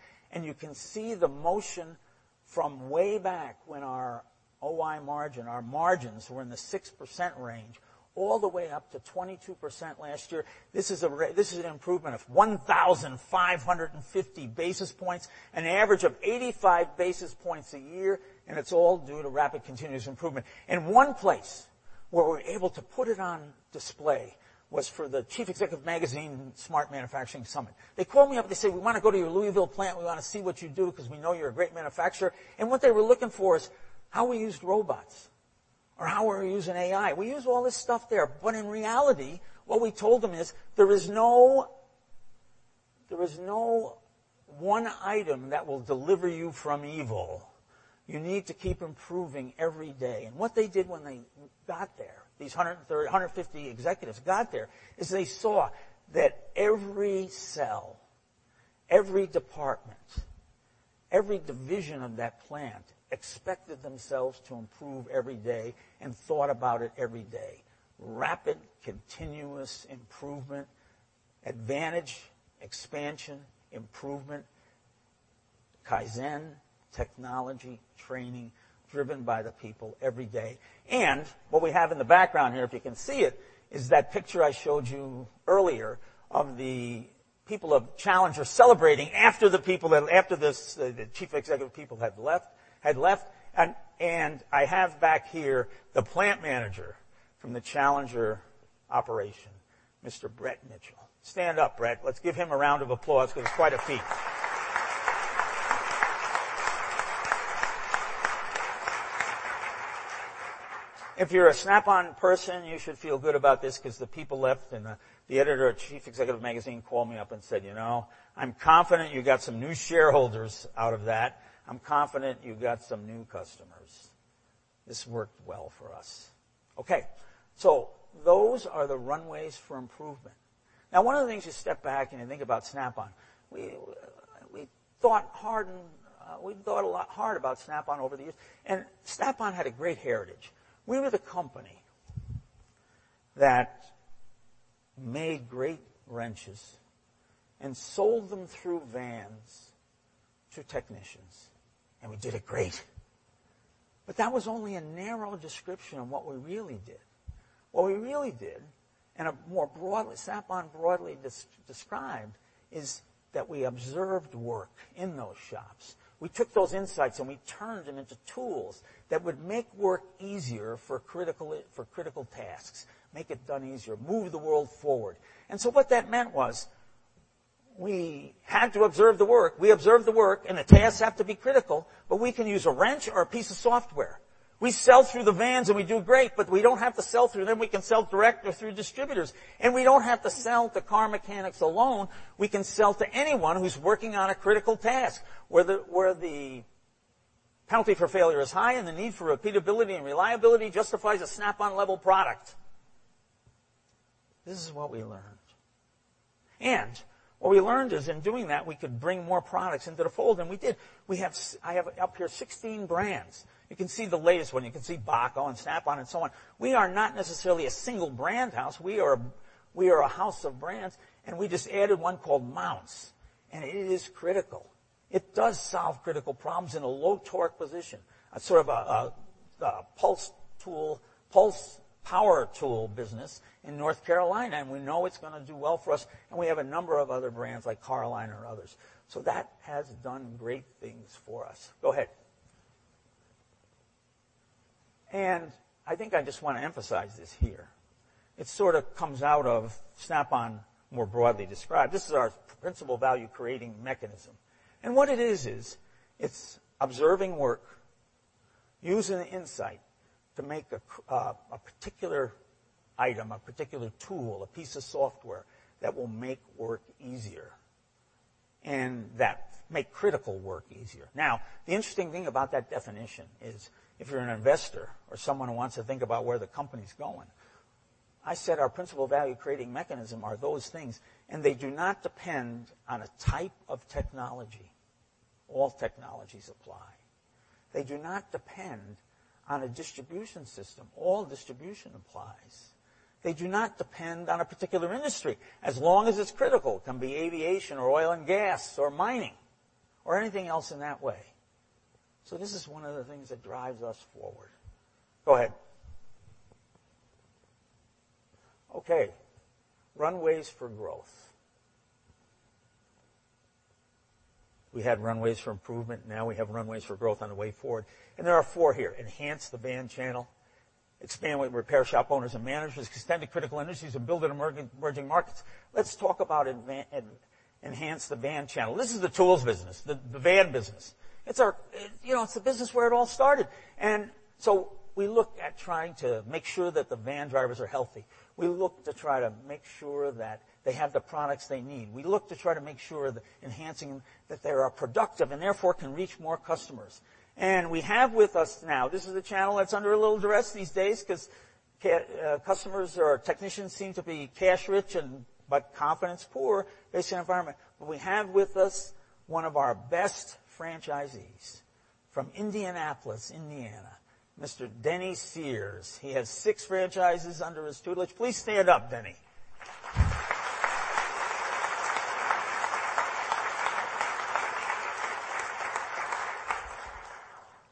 You can see the motion from way back when our OI margin, our margins were in the 6% range, all the way up to 22% last year. This is an improvement of 1,550 basis points, an average of 85 basis points a year. It is all due to rapid continuous improvement. One place where we are able to put it on display was for the Chief Executive Magazine Smart Manufacturing Summit. They call me up and they say, "We want to go to your Louisville plant. We want to see what you do because we know you are a great manufacturer." What they were looking for is how we used robots or how we were using AI. We use all this stuff there. In reality, what we told them is there is no one item that will deliver you from evil. You need to keep improving every day. What they did when they got there, these 150 executives got there, is they saw that every cell, every department, every division of that plant expected themselves to improve every day and thought about it every day. Rapid continuous improvement, advantage, expansion, improvement, Kaizen, technology, training driven by the people every day. What we have in the background here, if you can see it, is that picture I showed you earlier of the people of Challenger celebrating after the people, after the chief executive people had left. I have back here the plant manager from the Challenger operation, Mr. Brett Mitchell. Stand up, Brett. Let's give him a round of applause because it's quite a feat. If you're a Snap-on person, you should feel good about this because the people left and the editor of Chief Executive Magazine called me up and said, "You know, I'm confident you got some new shareholders out of that. I'm confident you got some new customers." This worked well for us. Okay. Those are the runways for improvement. Now, one of the things you step back and you think about Snap-on. We thought hard and we thought a lot hard about Snap-on over the years and Snap-on had a great heritage. We were the company that made great wrenches and sold them through vans to technicians and we did it great. That was only a narrow description of what we really did. What we really did, and Snap-on broadly described, is that we observed work in those shops. We took those insights and we turned them into tools that would make work easier for critical tasks, make it done easier, move the world forward. What that meant was we had to observe the work. We observed the work and the tasks have to be critical, but we can use a wrench or a piece of software. We sell through the vans and we do great, but we do not have to sell through them. We can sell directly through distributors. We do not have to sell to car mechanics alone. We can sell to anyone who is working on a critical task where the penalty for failure is high and the need for repeatability and reliability justifies a Snap-on level product. This is what we learned. What we learned is in doing that, we could bring more products into the fold and we did. I have up here 16 brands. You can see the latest one. You can see Baco and Snap-on and so on. We are not necessarily a single brand house. We are a house of brands. We just added one called Mounce. It is critical. It does solve critical problems in a low torque position, sort of a pulse tool, pulse power tool business in North Carolina. We know it is going to do well for us. We have a number of other brands like Carlyle and others. That has done great things for us. Go ahead. I think I just want to emphasize this here. It sort of comes out of Snap-on more broadly described. This is our principal value creating mechanism. What it is, is it's observing work, using insight to make a particular item, a particular tool, a piece of software that will make work easier and that make critical work easier. The interesting thing about that definition is if you're an investor or someone who wants to think about where the company's going, I said our principal value creating mechanism are those things. They do not depend on a type of technology. All technologies apply. They do not depend on a distribution system. All distribution applies. They do not depend on a particular industry as long as it's critical. It can be aviation or oil and gas or mining or anything else in that way. This is one of the things that drives us forward. Go ahead. Okay. Runways for growth. We had runways for improvement. Now we have runways for growth on the way forward. There are four here. Enhance the van channel, expand with repair shop owners and managers, extend to critical industries, and build emerging markets. Let's talk about enhance the van channel. This is the tools business, the van business. It's the business where it all started. We look at trying to make sure that the van drivers are healthy. We look to try to make sure that they have the products they need. We look to try to make sure that enhancing that they are productive and therefore can reach more customers. We have with us now, this is a channel that's under a little duress these days because customers or technicians seem to be cash rich but confidence poor based on environment. We have with us one of our best franchisees from Indianapolis, Indiana, Mr. Denny Sears. He has six franchises under his tutelage. Please stand up, Denny.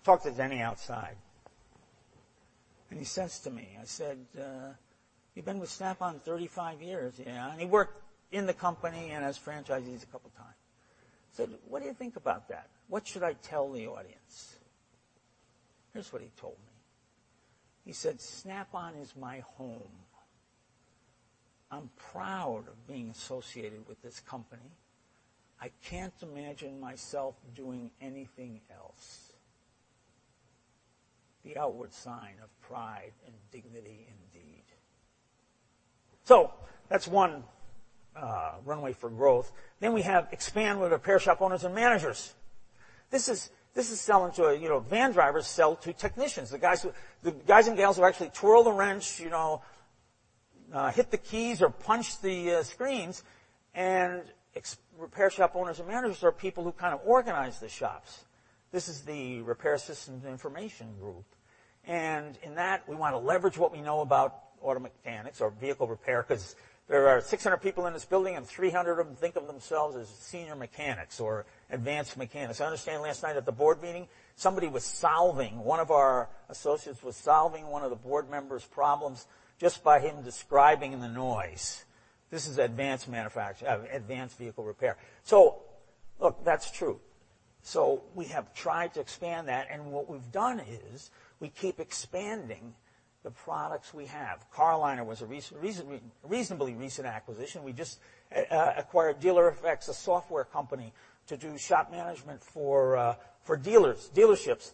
Talk to Denny outside. And he says to me, I said, "You've been with Snap-on 35 years." Yeah. And he worked in the company and as franchisees a couple of times. I said, "What do you think about that? What should I tell the audience?" Here's what he told me. He said, "Snap-on is my home. I'm proud of being associated with this company. I can't imagine myself doing anything else." The outward sign of pride and dignity indeed. That is one runway for growth. We have expand with repair shop owners and managers. This is selling to van drivers sell to technicians. The guys and gals who actually twirl the wrench, hit the keys, or punch the screens. Repair shop owners and managers are people who kind of organize the shops. This is the repair system information group. In that, we want to leverage what we know about auto mechanics or vehicle repair because there are 600 people in this building and 300 of them think of themselves as senior mechanics or advanced mechanics. I understand last night at the board meeting, somebody was solving one of our associates was solving one of the board members' problems just by him describing the noise. This is advanced vehicle repair. Look, that's true. We have tried to expand that. What we've done is we keep expanding the products we have. Carlyle was a reasonably recent acquisition. We just acquired Dealer-FX, a software company to do shop management for dealerships.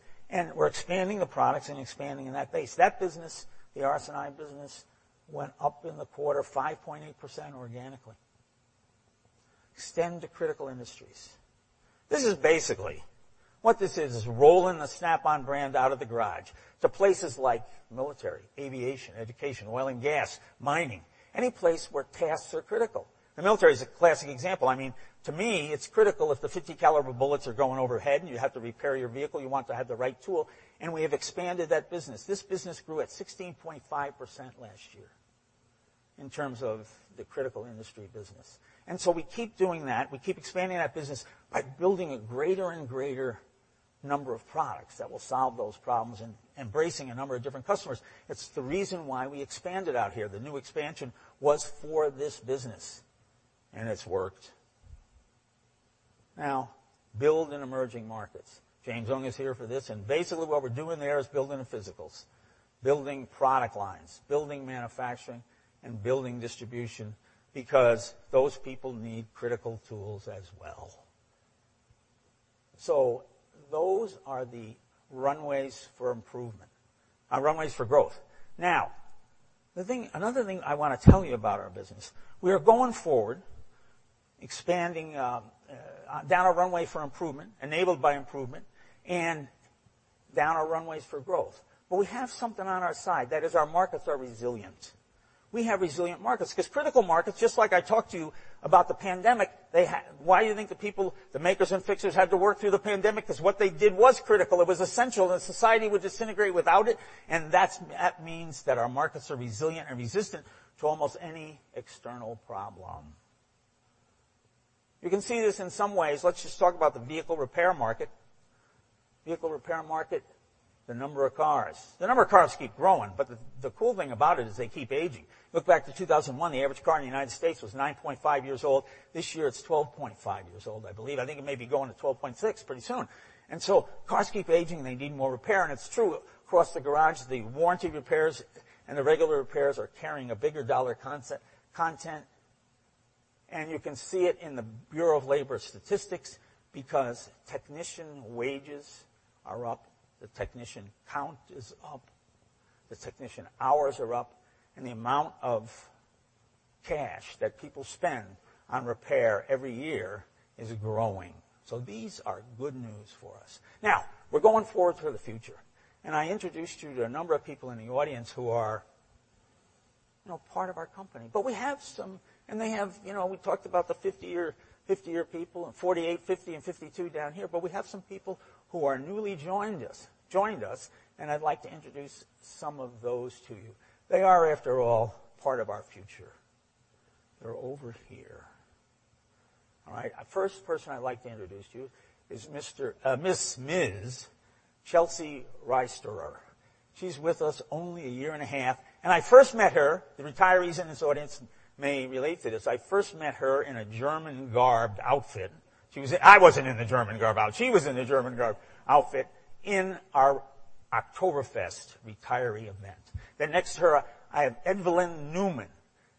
We're expanding the products and expanding in that base. That business, the RS&I business, went up in the quarter 5.8% organically. Extend to critical industries. This is basically what this is. It's rolling the Snap-on brand out of the garage to places like military, aviation, education, oil and gas, mining, any place where tasks are critical. The military is a classic example. I mean, to me, it's critical if the 50-caliber bullets are going overhead and you have to repair your vehicle, you want to have the right tool. We have expanded that business. This business grew at 16.5% last year in terms of the critical industry business. We keep doing that. We keep expanding that business by building a greater and greater number of products that will solve those problems and embracing a number of different customers. It's the reason why we expanded out here. The new expansion was for this business. It's worked. Now, build in emerging markets. James Ong is here for this. Basically what we're doing there is building the physicals, building product lines, building manufacturing, and building distribution because those people need critical tools as well. Those are the runways for improvement, our runways for growth. Another thing I want to tell you about our business. We are going forward, expanding down our runway for improvement, enabled by improvement, and down our runways for growth. We have something on our side that is our markets are resilient. We have resilient markets because critical markets, just like I talked to you about the pandemic, why do you think the people, the makers and fixers had to work through the pandemic? What they did was critical. It was essential. Society would disintegrate without it. That means that our markets are resilient and resistant to almost any external problem. You can see this in some ways. Let's just talk about the vehicle repair market. Vehicle repair market, the number of cars. The number of cars keep growing. The cool thing about it is they keep aging. Look back to 2001, the average car in the United States was 9.5 years old. This year it's 12.5 years old, I believe. I think it may be going to 12.6 pretty soon. Cars keep aging. They need more repair. It's true across the garages. The warranty repairs and the regular repairs are carrying a bigger dollar content. You can see it in the Bureau of Labor Statistics because technician wages are up, the technician count is up, the technician hours are up, and the amount of cash that people spend on repair every year is growing. These are good news for us. Now, we're going forward for the future. I introduced you to a number of people in the audience who are part of our company. We have some, and we talked about the 50-year people and 48, 50, and 52 down here. We have some people who are newly joined us. I'd like to introduce some of those to you. They are, after all, part of our future. They're over here. All right. First person I'd like to introduce to you is Ms. Chelsea Riesterer. She's with us only a year and a half. I first met her, the retirees in this audience may relate to this. I first met her in a German-garbed outfit. I wasn't in the German-garbed outfit. She was in the German-garbed outfit in our Oktoberfest retiree event. Next to her, I have Evelyn Newman.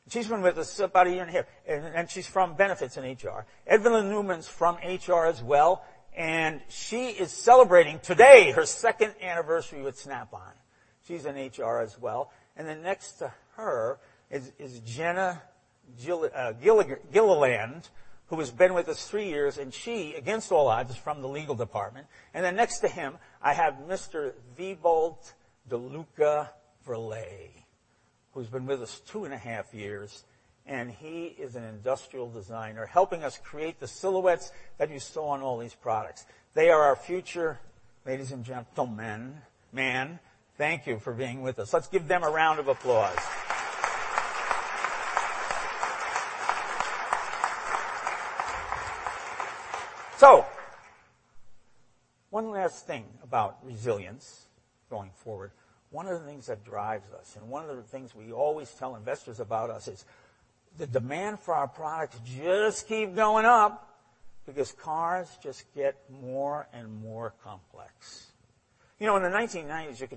She's been with us about a year and a half. She is from benefits in HR. Evelyn Newman is from HR as well. She is celebrating today her second anniversary with Snap-on. She is in HR as well. Next to her is Jenna Gilliland, who has been with us three years. She, against all odds, is from the legal department. Next to him, I have Mr. Vibolt DeLuca Verlay, who has been with us two and a half years. He is an industrial designer helping us create the silhouettes that you saw on all these products. They are our future, ladies and gentlemen, man. Thank you for being with us. Let's give them a round of applause. One last thing about resilience going forward. One of the things that drives us, and one of the things we always tell investors about us, is the demand for our products just keeps going up because cars just get more and more complex. In the 1990s,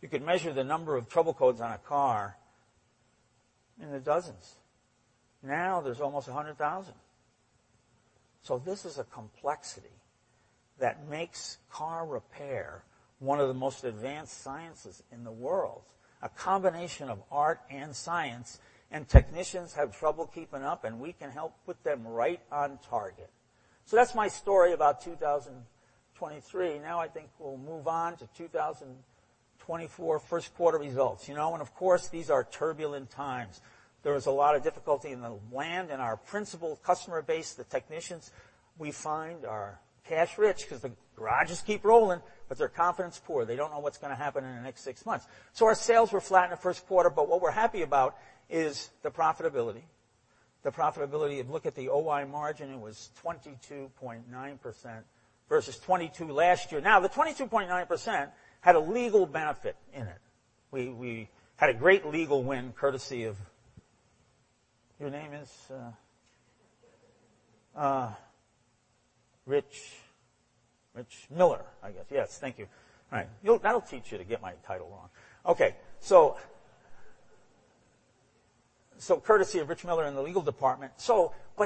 you could measure the number of trouble codes on a car in the dozens. Now there is almost 100,000. This is a complexity that makes car repair one of the most advanced sciences in the world, a combination of art and science. Technicians have trouble keeping up, and we can help put them right on target. That is my story about 2023. I think we will move on to 2024 first quarter results. Of course, these are turbulent times. There is a lot of difficulty in the land and our principal customer base, the technicians. We find our cash rich because the garages keep rolling, but their confidence is poor. They don't know what's going to happen in the next six months. Our sales were flat in the first quarter, but what we're happy about is the profitability. The profitability, look at the OI margin, it was 22.9% versus 22% last year. Now, the 22.9% had a legal benefit in it. We had a great legal win courtesy of, your name is? Rich Miller, I guess. Yes. Thank you. All right. That'll teach you to get my title wrong. Okay. Courtesy of Rich Miller in the legal department.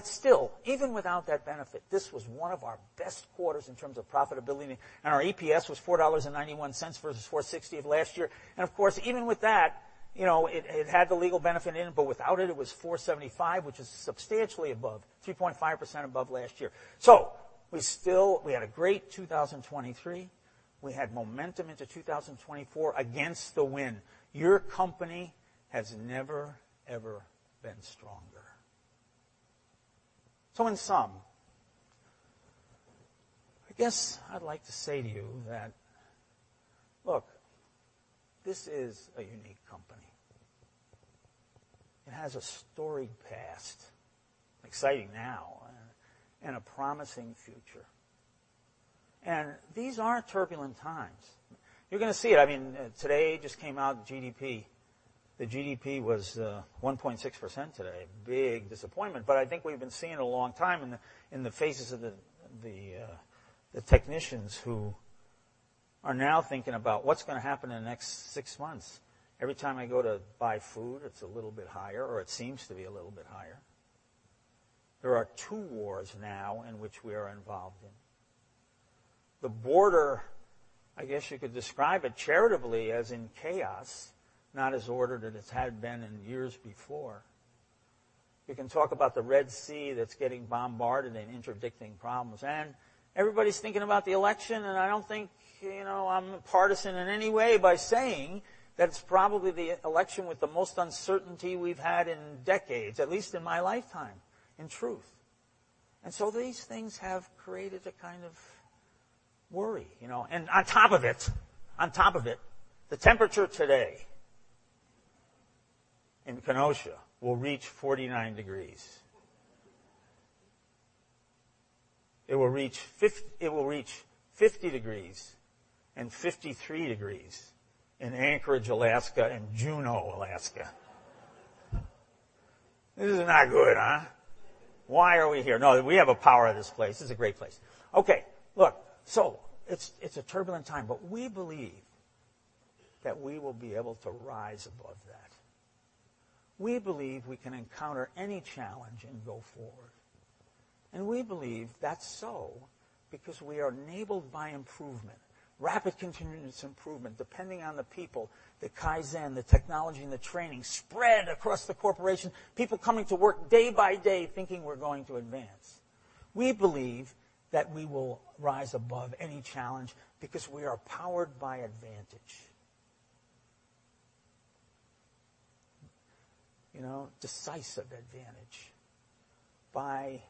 Still, even without that benefit, this was one of our best quarters in terms of profitability. Our EPS was $4.91 versus $4.60 of last year. Of course, even with that, it had the legal benefit in it, but without it, it was $4.75, which is substantially above, 3.5% above last year. We had a great 2023. We had momentum into 2024 against the wind. Your company has never, ever been stronger. In sum, I guess I'd like to say to you that, look, this is a unique company. It has a storied past, exciting now, and a promising future. These are turbulent times. You're going to see it. I mean, today just came out GDP. The GDP was 1.6% today. Big disappointment. I think we've been seeing it a long time in the faces of the technicians who are now thinking about what's going to happen in the next six months. Every time I go to buy food, it's a little bit higher, or it seems to be a little bit higher. There are two wars now in which we are involved in. The border, I guess you could describe it charitably as in chaos, not as ordered as it had been in years before. You can talk about the Red Sea that's getting bombarded and interdicting problems. Everybody's thinking about the election, and I don't think I'm partisan in any way by saying that it's probably the election with the most uncertainty we've had in decades, at least in my lifetime, in truth. These things have created a kind of worry. On top of it, on top of it, the temperature today in Kenosha will reach 49 degrees Fahrenheit. It will reach 50 degrees Fahrenheit and 53 degrees Fahrenheit in Anchorage, Alaska, and Juneau, Alaska. This is not good, huh? Why are we here? No, we have a power at this place. This is a great place. Okay. Look, it is a turbulent time, but we believe that we will be able to rise above that. We believe we can encounter any challenge and go forward. We believe that is so because we are enabled by improvement, rapid continuous improvement, depending on the people, the Kaizen, the technology, and the training spread across the corporation, people coming to work day by day thinking we are going to advance. We believe that we will rise above any challenge because we are powered by advantage, decisive advantage by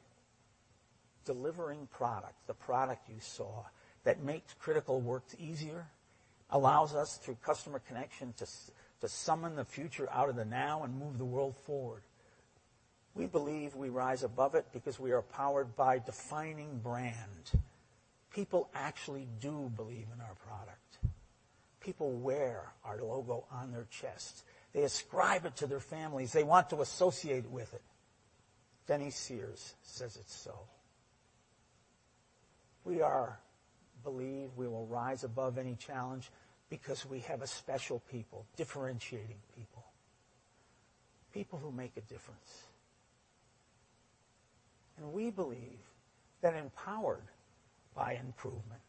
delivering product, the product you saw that makes critical work easier, allows us through customer connection to summon the future out of the now and move the world forward. We believe we rise above it because we are powered by defining brand. People actually do believe in our product. People wear our logo on their chest. They ascribe it to their families. They want to associate with it. Denny Sears says it's so. We believe we will rise above any challenge because we have a special people, differentiating people, people who make a difference. We believe that empowered by improvement,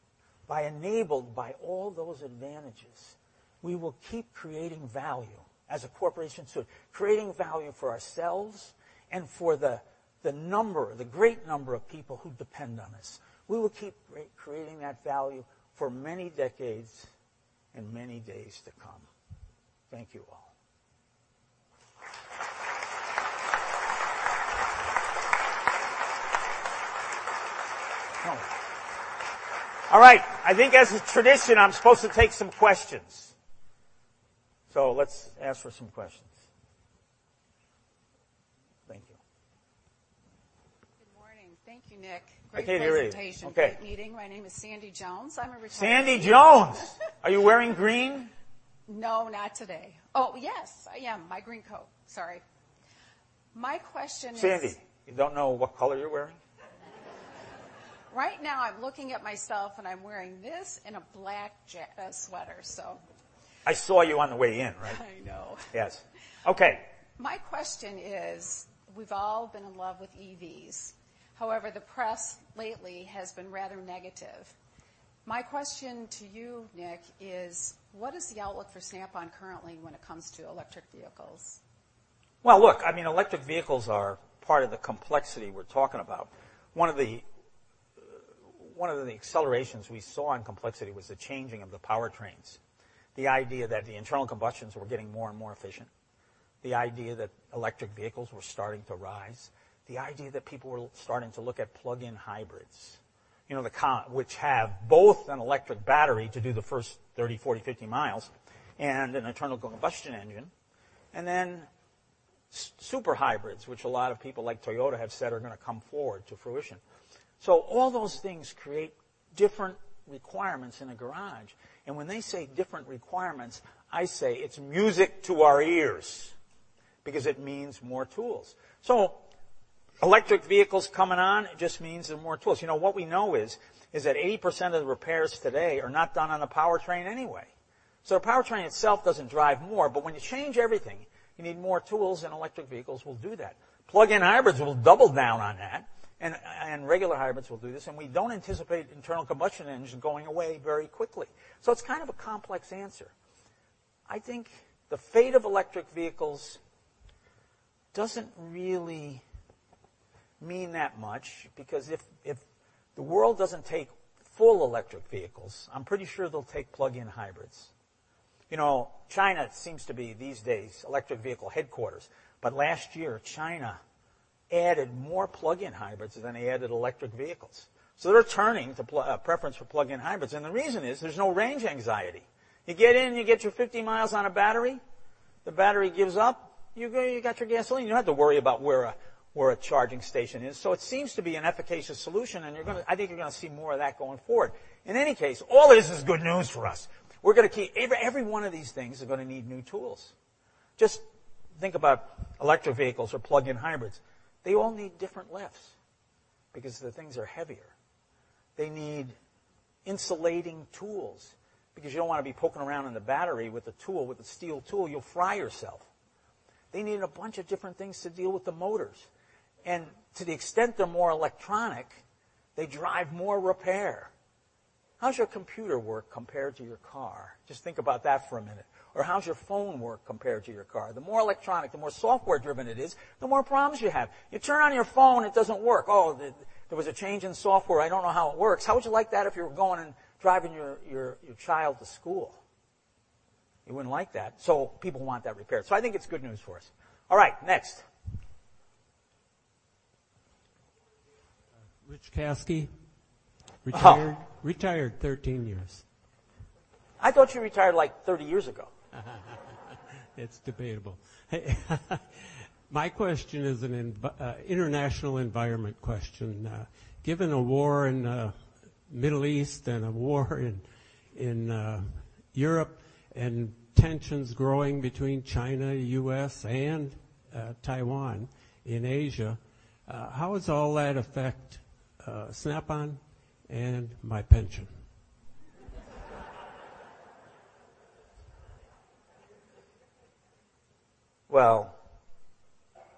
enabled by all those advantages, we will keep creating value as a corporation, creating value for ourselves and for the great number of people who depend on us. We will keep creating that value for many decades and many days to come. Thank you all. All right. I think as a tradition, I'm supposed to take some questions. Let's ask for some questions. Thank you. Good morning. Thank you, Nick. Great participation. Okay. Meeting. My name is Sandy Jones. I'm a retired. Sandy Jones. Are you wearing green? No, not today. Oh, yes, I am. My green coat. Sorry. My question is. Sandy, you don't know what color you're wearing? Right now, I'm looking at myself, and I'm wearing this and a black sweater, so. I saw you on the way in, right? I know. Yes. Okay. My question is, we've all been in love with EVs. However, the press lately has been rather negative. My question to you, Nick, is what is the outlook for Snap-on currently when it comes to electric vehicles? Look, I mean, electric vehicles are part of the complexity we're talking about. One of the accelerations we saw in complexity was the changing of the powertrains, the idea that the internal combustions were getting more and more efficient, the idea that electric vehicles were starting to rise, the idea that people were starting to look at plug-in hybrids, which have both an electric battery to do the first 30-40-50 miles, and an internal combustion engine, and then super hybrids, which a lot of people like Toyota have said are going to come forward to fruition. All those things create different requirements in a garage. When they say different requirements, I say it's music to our ears because it means more tools. Electric vehicles coming on, it just means more tools. What we know is that 80% of the repairs today are not done on the powertrain anyway. The powertrain itself does not drive more. When you change everything, you need more tools, and electric vehicles will do that. Plug-in hybrids will double down on that, and regular hybrids will do this. We do not anticipate internal combustion engines going away very quickly. It is kind of a complex answer. I think the fate of electric vehicles does not really mean that much because if the world does not take full electric vehicles, I am pretty sure they will take plug-in hybrids. China seems to be these days electric vehicle headquarters. Last year, China added more plug-in hybrids than they added electric vehicles. They are turning to preference for plug-in hybrids. The reason is there is no range anxiety. You get in, you get your 50 mi on a battery, the battery gives up, you got your gasoline, you do not have to worry about where a charging station is. It seems to be an efficacious solution, and I think you are going to see more of that going forward. In any case, all this is good news for us. We are going to keep every one of these things are going to need new tools. Just think about electric vehicles or plug-in hybrids. They all need different lifts because the things are heavier. They need insulating tools because you do not want to be poking around in the battery with a tool, with a steel tool, you will fry yourself. They need a bunch of different things to deal with the motors. To the extent they are more electronic, they drive more repair. How does your computer work compared to your car? Just think about that for a minute. Or how's your phone work compared to your car? The more electronic, the more software-driven it is, the more problems you have. You turn on your phone, it doesn't work. Oh, there was a change in software. I don't know how it works. How would you like that if you were going and driving your child to school? You wouldn't like that. People want that repaired. I think it's good news for us. All right. Next. Rich Caskey. Huh? Retired. Retired 13 years. I thought you retired like 30 years ago. It's debatable. My question is an international environment question. Given a war in the Middle East and a war in Europe and tensions growing between China, U.S., and Taiwan in Asia, how does all that affect Snap-on and my pension?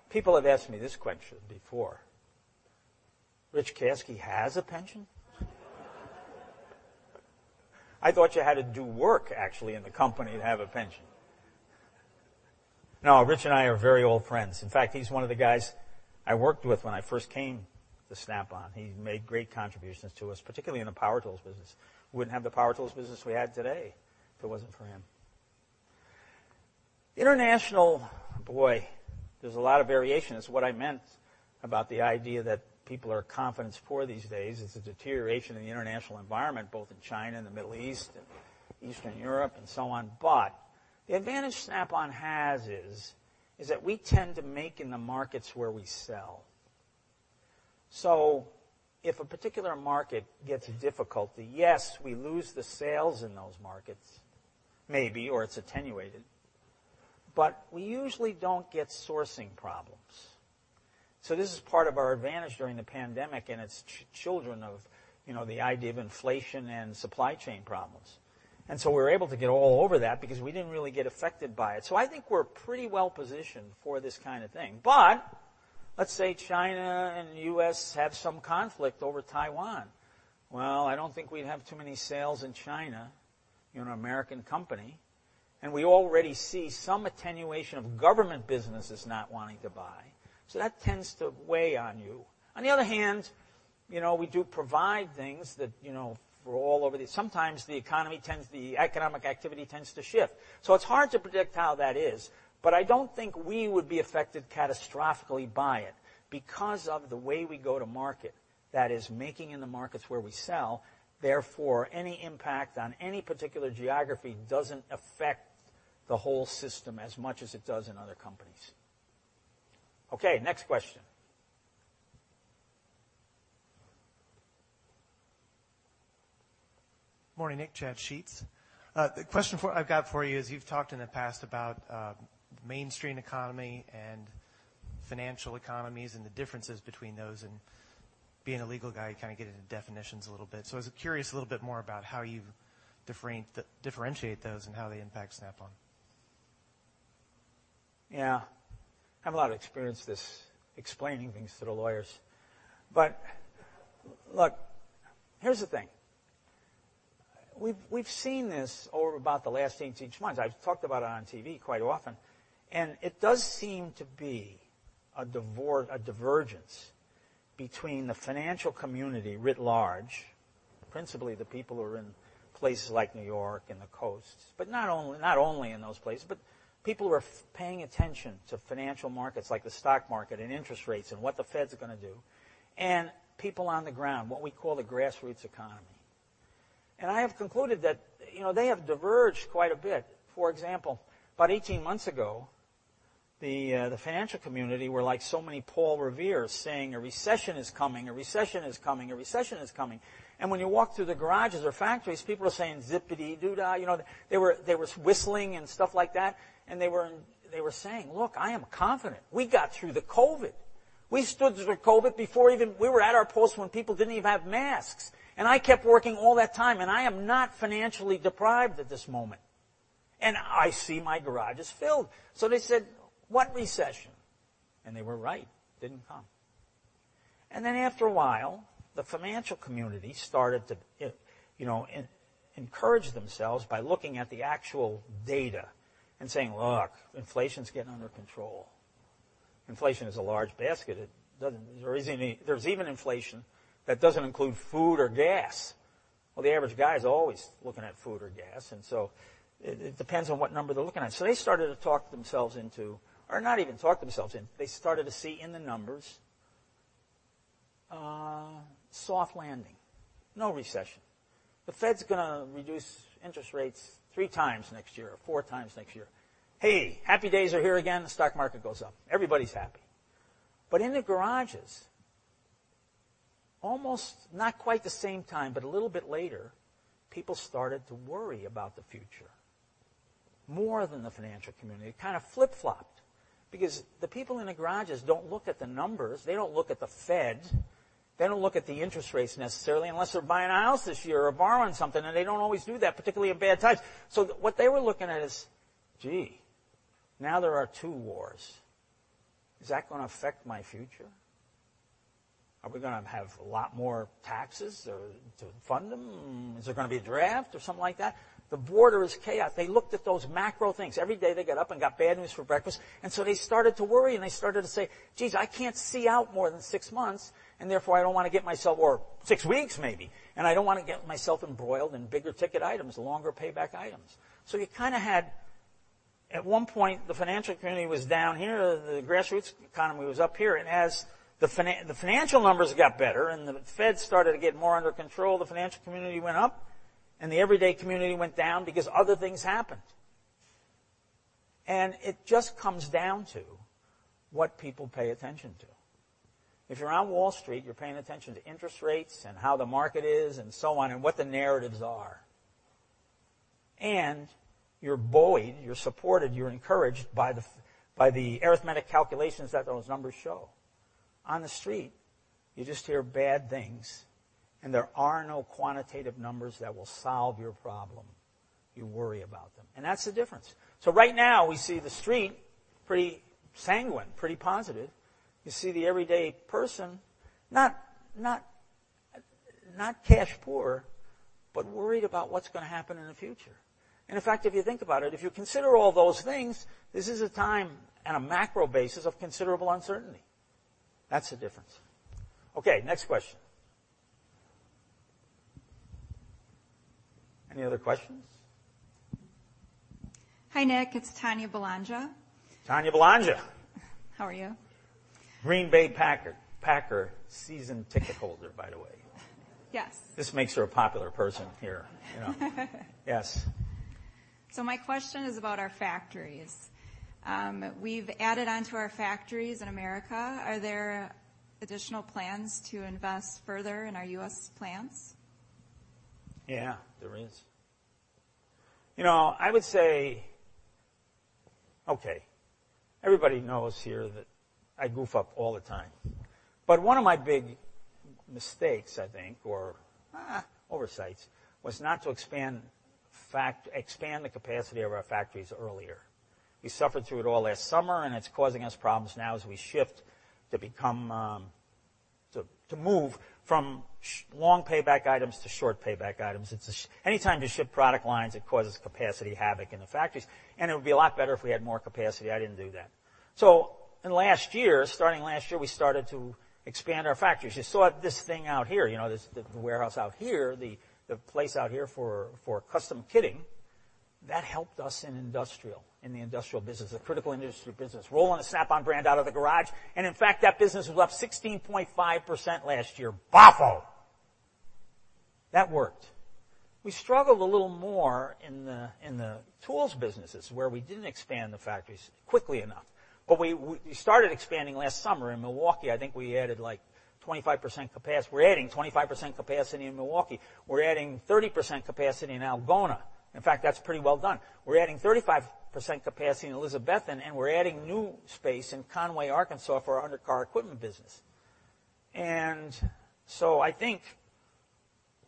People have asked me this question before. Rich Caskey has a pension? I thought you had to do work actually in the company to have a pension. No, Rich and I are very old friends. In fact, he's one of the guys I worked with when I first came to Snap-on. He made great contributions to us, particularly in the power tools business. We wouldn't have the power tools business we have today if it wasn't for him. International, boy, there's a lot of variation. It's what I meant about the idea that people are confidence poor these days. It's a deterioration in the international environment, both in China and the Middle East and Eastern Europe and so on. The advantage Snap-on has is that we tend to make in the markets where we sell. If a particular market gets a difficulty, yes, we lose the sales in those markets, maybe, or it's attenuated. We usually don't get sourcing problems. This is part of our advantage during the pandemic, and it's children of the idea of inflation and supply chain problems. We're able to get all over that because we didn't really get affected by it. I think we're pretty well positioned for this kind of thing. Let's say China and the U.S. have some conflict over Taiwan. I don't think we'd have too many sales in China, an American company. We already see some attenuation of government businesses not wanting to buy. That tends to weigh on you. On the other hand, we do provide things that we're all over the sometimes the economy tends the economic activity tends to shift. It's hard to predict how that is. I don't think we would be affected catastrophically by it because of the way we go to market, that is, making in the markets where we sell. Therefore, any impact on any particular geography doesn't affect the whole system as much as it does in other companies. Okay. Next question. Morning, Nick. Chad Sheets. The question I've got for you is you've talked in the past about mainstream economy and financial economies and the differences between those. And being a legal guy, you kind of get into definitions a little bit. So I was curious a little bit more about how you differentiate those and how they impact Snap-on. Yeah. I have a lot of experience explaining things to the lawyers. Look, here's the thing. We've seen this over about the last 18 months. I've talked about it on TV quite often. It does seem to be a divergence between the financial community writ large, principally the people who are in places like New York and the coasts, but not only in those places, but people who are paying attention to financial markets like the stock market and interest rates and what the Fed's going to do, and people on the ground, what we call the grassroots economy. I have concluded that they have diverged quite a bit. For example, about 18 months ago, the financial community were like so many Paul Revere saying, "A recession is coming. A recession is coming. A recession is coming." When you walk through the garages or factories, people are saying, "Zippity doodah." They were whistling and stuff like that. They were saying, "Look, I am confident. We got through the COVID. We stood through COVID before even we were at our post when people did not even have masks. I kept working all that time. I am not financially deprived at this moment. I see my garage is filled." They said, "What recession?" They were right. It did not come. After a while, the financial community started to encourage themselves by looking at the actual data and saying, "Look, inflation is getting under control. Inflation is a large basket. There is even inflation that does not include food or gas." The average guy is always looking at food or gas. It depends on what number they are looking at. They started to talk themselves into or not even talk themselves into. They started to see in the numbers, soft landing. No recession. The Fed's going to reduce interest rates three times next year or four times next year. Hey, happy days are here again. The stock market goes up. Everybody's happy. In the garages, almost not quite the same time, but a little bit later, people started to worry about the future more than the financial community. It kind of flip-flopped because the people in the garages don't look at the numbers. They don't look at the Fed. They don't look at the interest rates necessarily unless they're buying a house this year or borrowing something. They don't always do that, particularly in bad times. What they were looking at is, "Gee, now there are two wars. Is that going to affect my future? Are we going to have a lot more taxes to fund them? Is there going to be a draft or something like that? The border is chaos. They looked at those macro things. Every day they got up and got bad news for breakfast. They started to worry. They started to say, "Geez, I can't see out more than six months. And therefore, I don't want to get myself or six weeks maybe. I don't want to get myself embroiled in bigger ticket items, longer payback items." You kind of had at one point, the financial community was down here. The grassroots economy was up here. As the financial numbers got better and the Fed started to get more under control, the financial community went up. The everyday community went down because other things happened. It just comes down to what people pay attention to. If you're on Wall Street, you're paying attention to interest rates and how the market is and what the narratives are. You're buoyed. You're supported. You're encouraged by the arithmetic calculations that those numbers show. On the street, you just hear bad things. There are no quantitative numbers that will solve your problem. You worry about them. That's the difference. Right now, we see the street pretty sanguine, pretty positive. You see the everyday person not cash poor, but worried about what's going to happen in the future. In fact, if you think about it, if you consider all those things, this is a time on a macro basis of considerable uncertainty. That's the difference. Okay. Next question. Any other questions? Hi, Nick. It's Tanya Bolanja. Tanya Bolanja. How are you? Green Bay Packer, seasoned ticket holder, by the way. Yes. This makes her a popular person here. Yes. My question is about our factories. We've added on to our factories in America. Are there additional plans to invest further in our U.S. plants? Yeah, there is. I would say, okay, everybody knows here that I goof up all the time. One of my big mistakes, I think, or oversights was not to expand the capacity of our factories earlier. We suffered through it all last summer. It's causing us problems now as we shift to move from long payback items to short payback items. Anytime you shift product lines, it causes capacity havoc in the factories. It would be a lot better if we had more capacity. I didn't do that. In last year, starting last year, we started to expand our factories. You saw this thing out here, the warehouse out here, the place out here for custom kitting. That helped us in the industrial business, a critical industry business. Rolling the Snap-on brand out of the garage. In fact, that business was up 16.5% last year. Baffo. That worked. We struggled a little more in the tools businesses where we did not expand the factories quickly enough. We started expanding last summer in Milwaukee. I think we added like 25% capacity. We are adding 25% capacity in Milwaukee. We are adding 30% capacity in Algona. In fact, that is pretty well done. We are adding 35% capacity in Elizabethtown. We are adding new space in Conway, Arkansas for our undercar equipment business. I think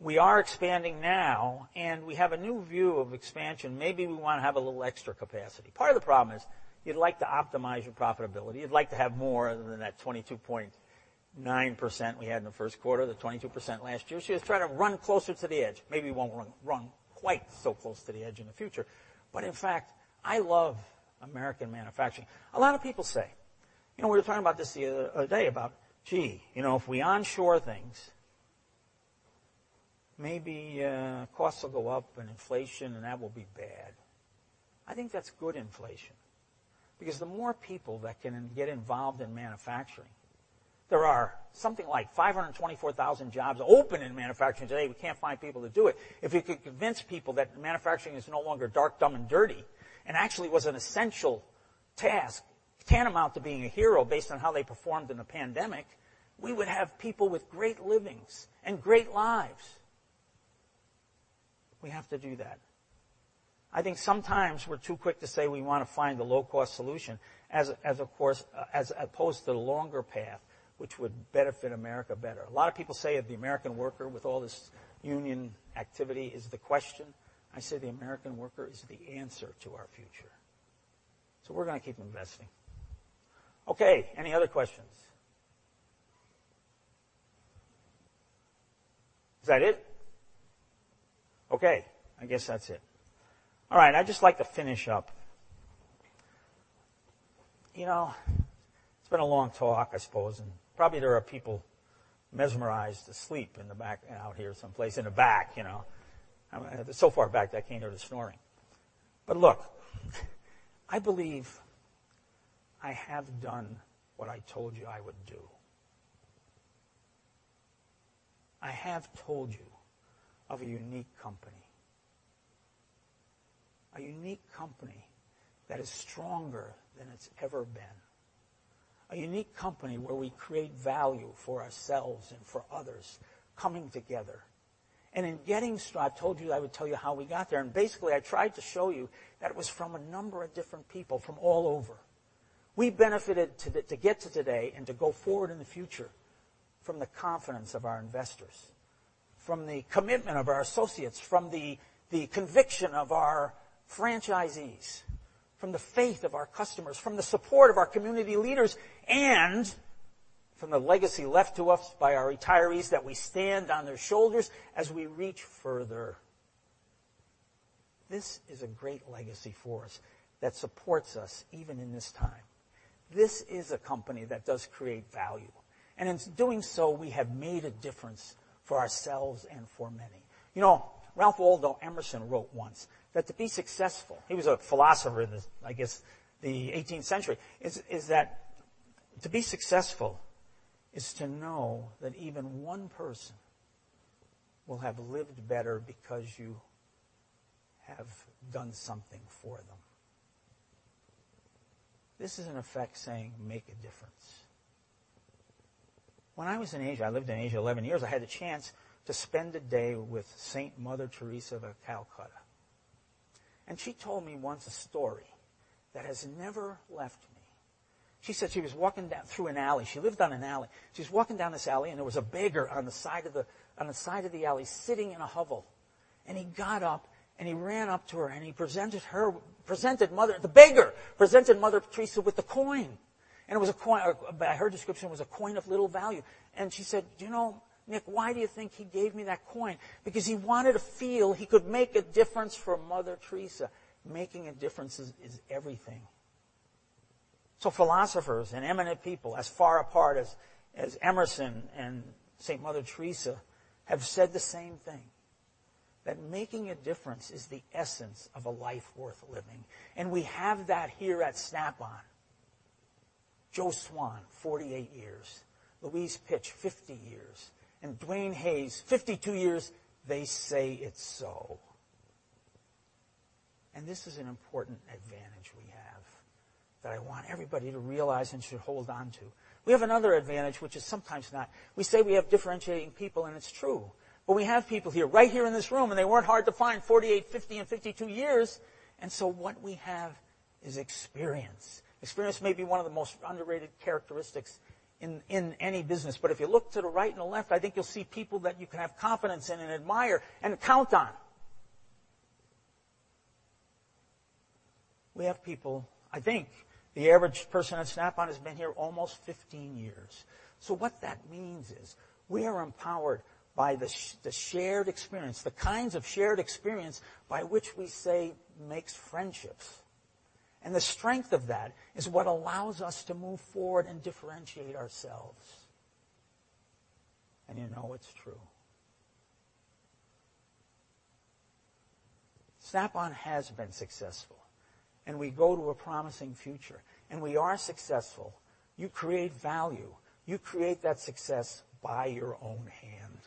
we are expanding now. We have a new view of expansion. Maybe we want to have a little extra capacity. Part of the problem is you would like to optimize your profitability. You would like to have more than that 22.9% we had in the first quarter, the 22% last year. You are trying to run closer to the edge. Maybe we will not run quite so close to the edge in the future. In fact, I love American manufacturing. A lot of people say, we were talking about this the other day about, "Gee, if we onshore things, maybe costs will go up and inflation and that will be bad." I think that's good inflation because the more people that can get involved in manufacturing, there are something like 524,000 jobs open in manufacturing today. We can't find people to do it. If you could convince people that manufacturing is no longer dark, dumb, and dirty and actually was an essential task tantamount to being a hero based on how they performed in the pandemic, we would have people with great livings and great lives. We have to do that. I think sometimes we're too quick to say we want to find the low-cost solution as opposed to the longer path, which would benefit America better. A lot of people say the American worker with all this union activity is the question. I say the American worker is the answer to our future. So we're going to keep investing. Okay. Any other questions? Is that it? Okay. I guess that's it. All right. I'd just like to finish up. It's been a long talk, I suppose. And probably there are people mesmerized asleep out here someplace in the back. So far back that I can't hear the snoring. But look, I believe I have done what I told you I would do. I have told you of a unique company. A unique company that is stronger than it's ever been. A unique company where we create value for ourselves and for others coming together. And in getting started, I told you I would tell you how we got there. Basically, I tried to show you that it was from a number of different people from all over. We benefited to get to today and to go forward in the future from the confidence of our investors, from the commitment of our associates, from the conviction of our franchisees, from the faith of our customers, from the support of our community leaders, and from the legacy left to us by our retirees that we stand on their shoulders as we reach further. This is a great legacy for us that supports us even in this time. This is a company that does create value. In doing so, we have made a difference for ourselves and for many. Ralph Waldo Emerson wrote once that to be successful, he was a philosopher in, I guess, the 18th century, is that "To be successful is to know that even one person will have lived better because you have done something for them". This is, in effect, saying make a difference. When I was in Asia, I lived in Asia 11 years. I had a chance to spend a day with Saint Mother Teresa of Calcutta. She told me once a story that has never left me. She said she was walking through an alley. She lived on an alley. She was walking down this alley. There was a beggar on the side of the alley sitting in a hovel. He got up. He ran up to her. He presented, the beggar presented Mother Teresa with the coin. By her description, it was a coin of little value. She said, "Do you know, Nick, why do you think he gave me that coin?" Because he wanted to feel he could make a difference for Mother Teresa. Making a difference is everything. Philosophers and eminent people as far apart as Emerson and Saint Mother Teresa have said the same thing, that making a difference is the essence of a life worth living. We have that here at Snap-on. Joe Schwan, 48 years. Louise Pitch, 50 years. And Dwayne Hayes, 52 years. They say it is so. This is an important advantage we have that I want everybody to realize and should hold on to. We have another advantage, which is sometimes not we say we have differentiating people. It is true. We have people here, right here in this room. They weren't hard to find: 48, 50, and 52 years. What we have is experience. Experience may be one of the most underrated characteristics in any business. If you look to the right and the left, I think you'll see people that you can have confidence in and admire and count on. We have people, I think the average person at Snap-on has been here almost 15 years. What that means is we are empowered by the shared experience, the kinds of shared experience by which we say makes friendships. The strength of that is what allows us to move forward and differentiate ourselves. You know it's true. Snap-on has been successful. We go to a promising future. We are successful. You create value. You create that success by your own hand.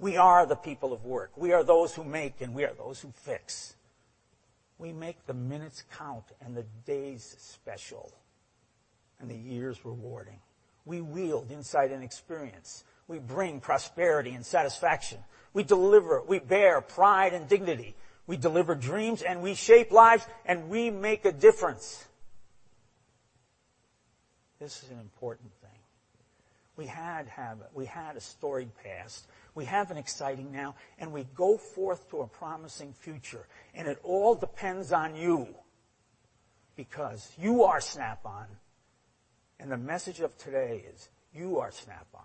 We are the people of work. We are those who make. We are those who fix. We make the minutes count and the days special and the years rewarding. We wield insight and experience. We bring prosperity and satisfaction. We deliver. We bear pride and dignity. We deliver dreams. We shape lives. We make a difference. This is an important thing. We had a storied past. We have an exciting now. We go forth to a promising future. It all depends on you because you are Snap-on. The message of today is you are Snap-on.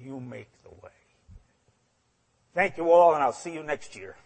You make the way. Thank you all. I'll see you next year.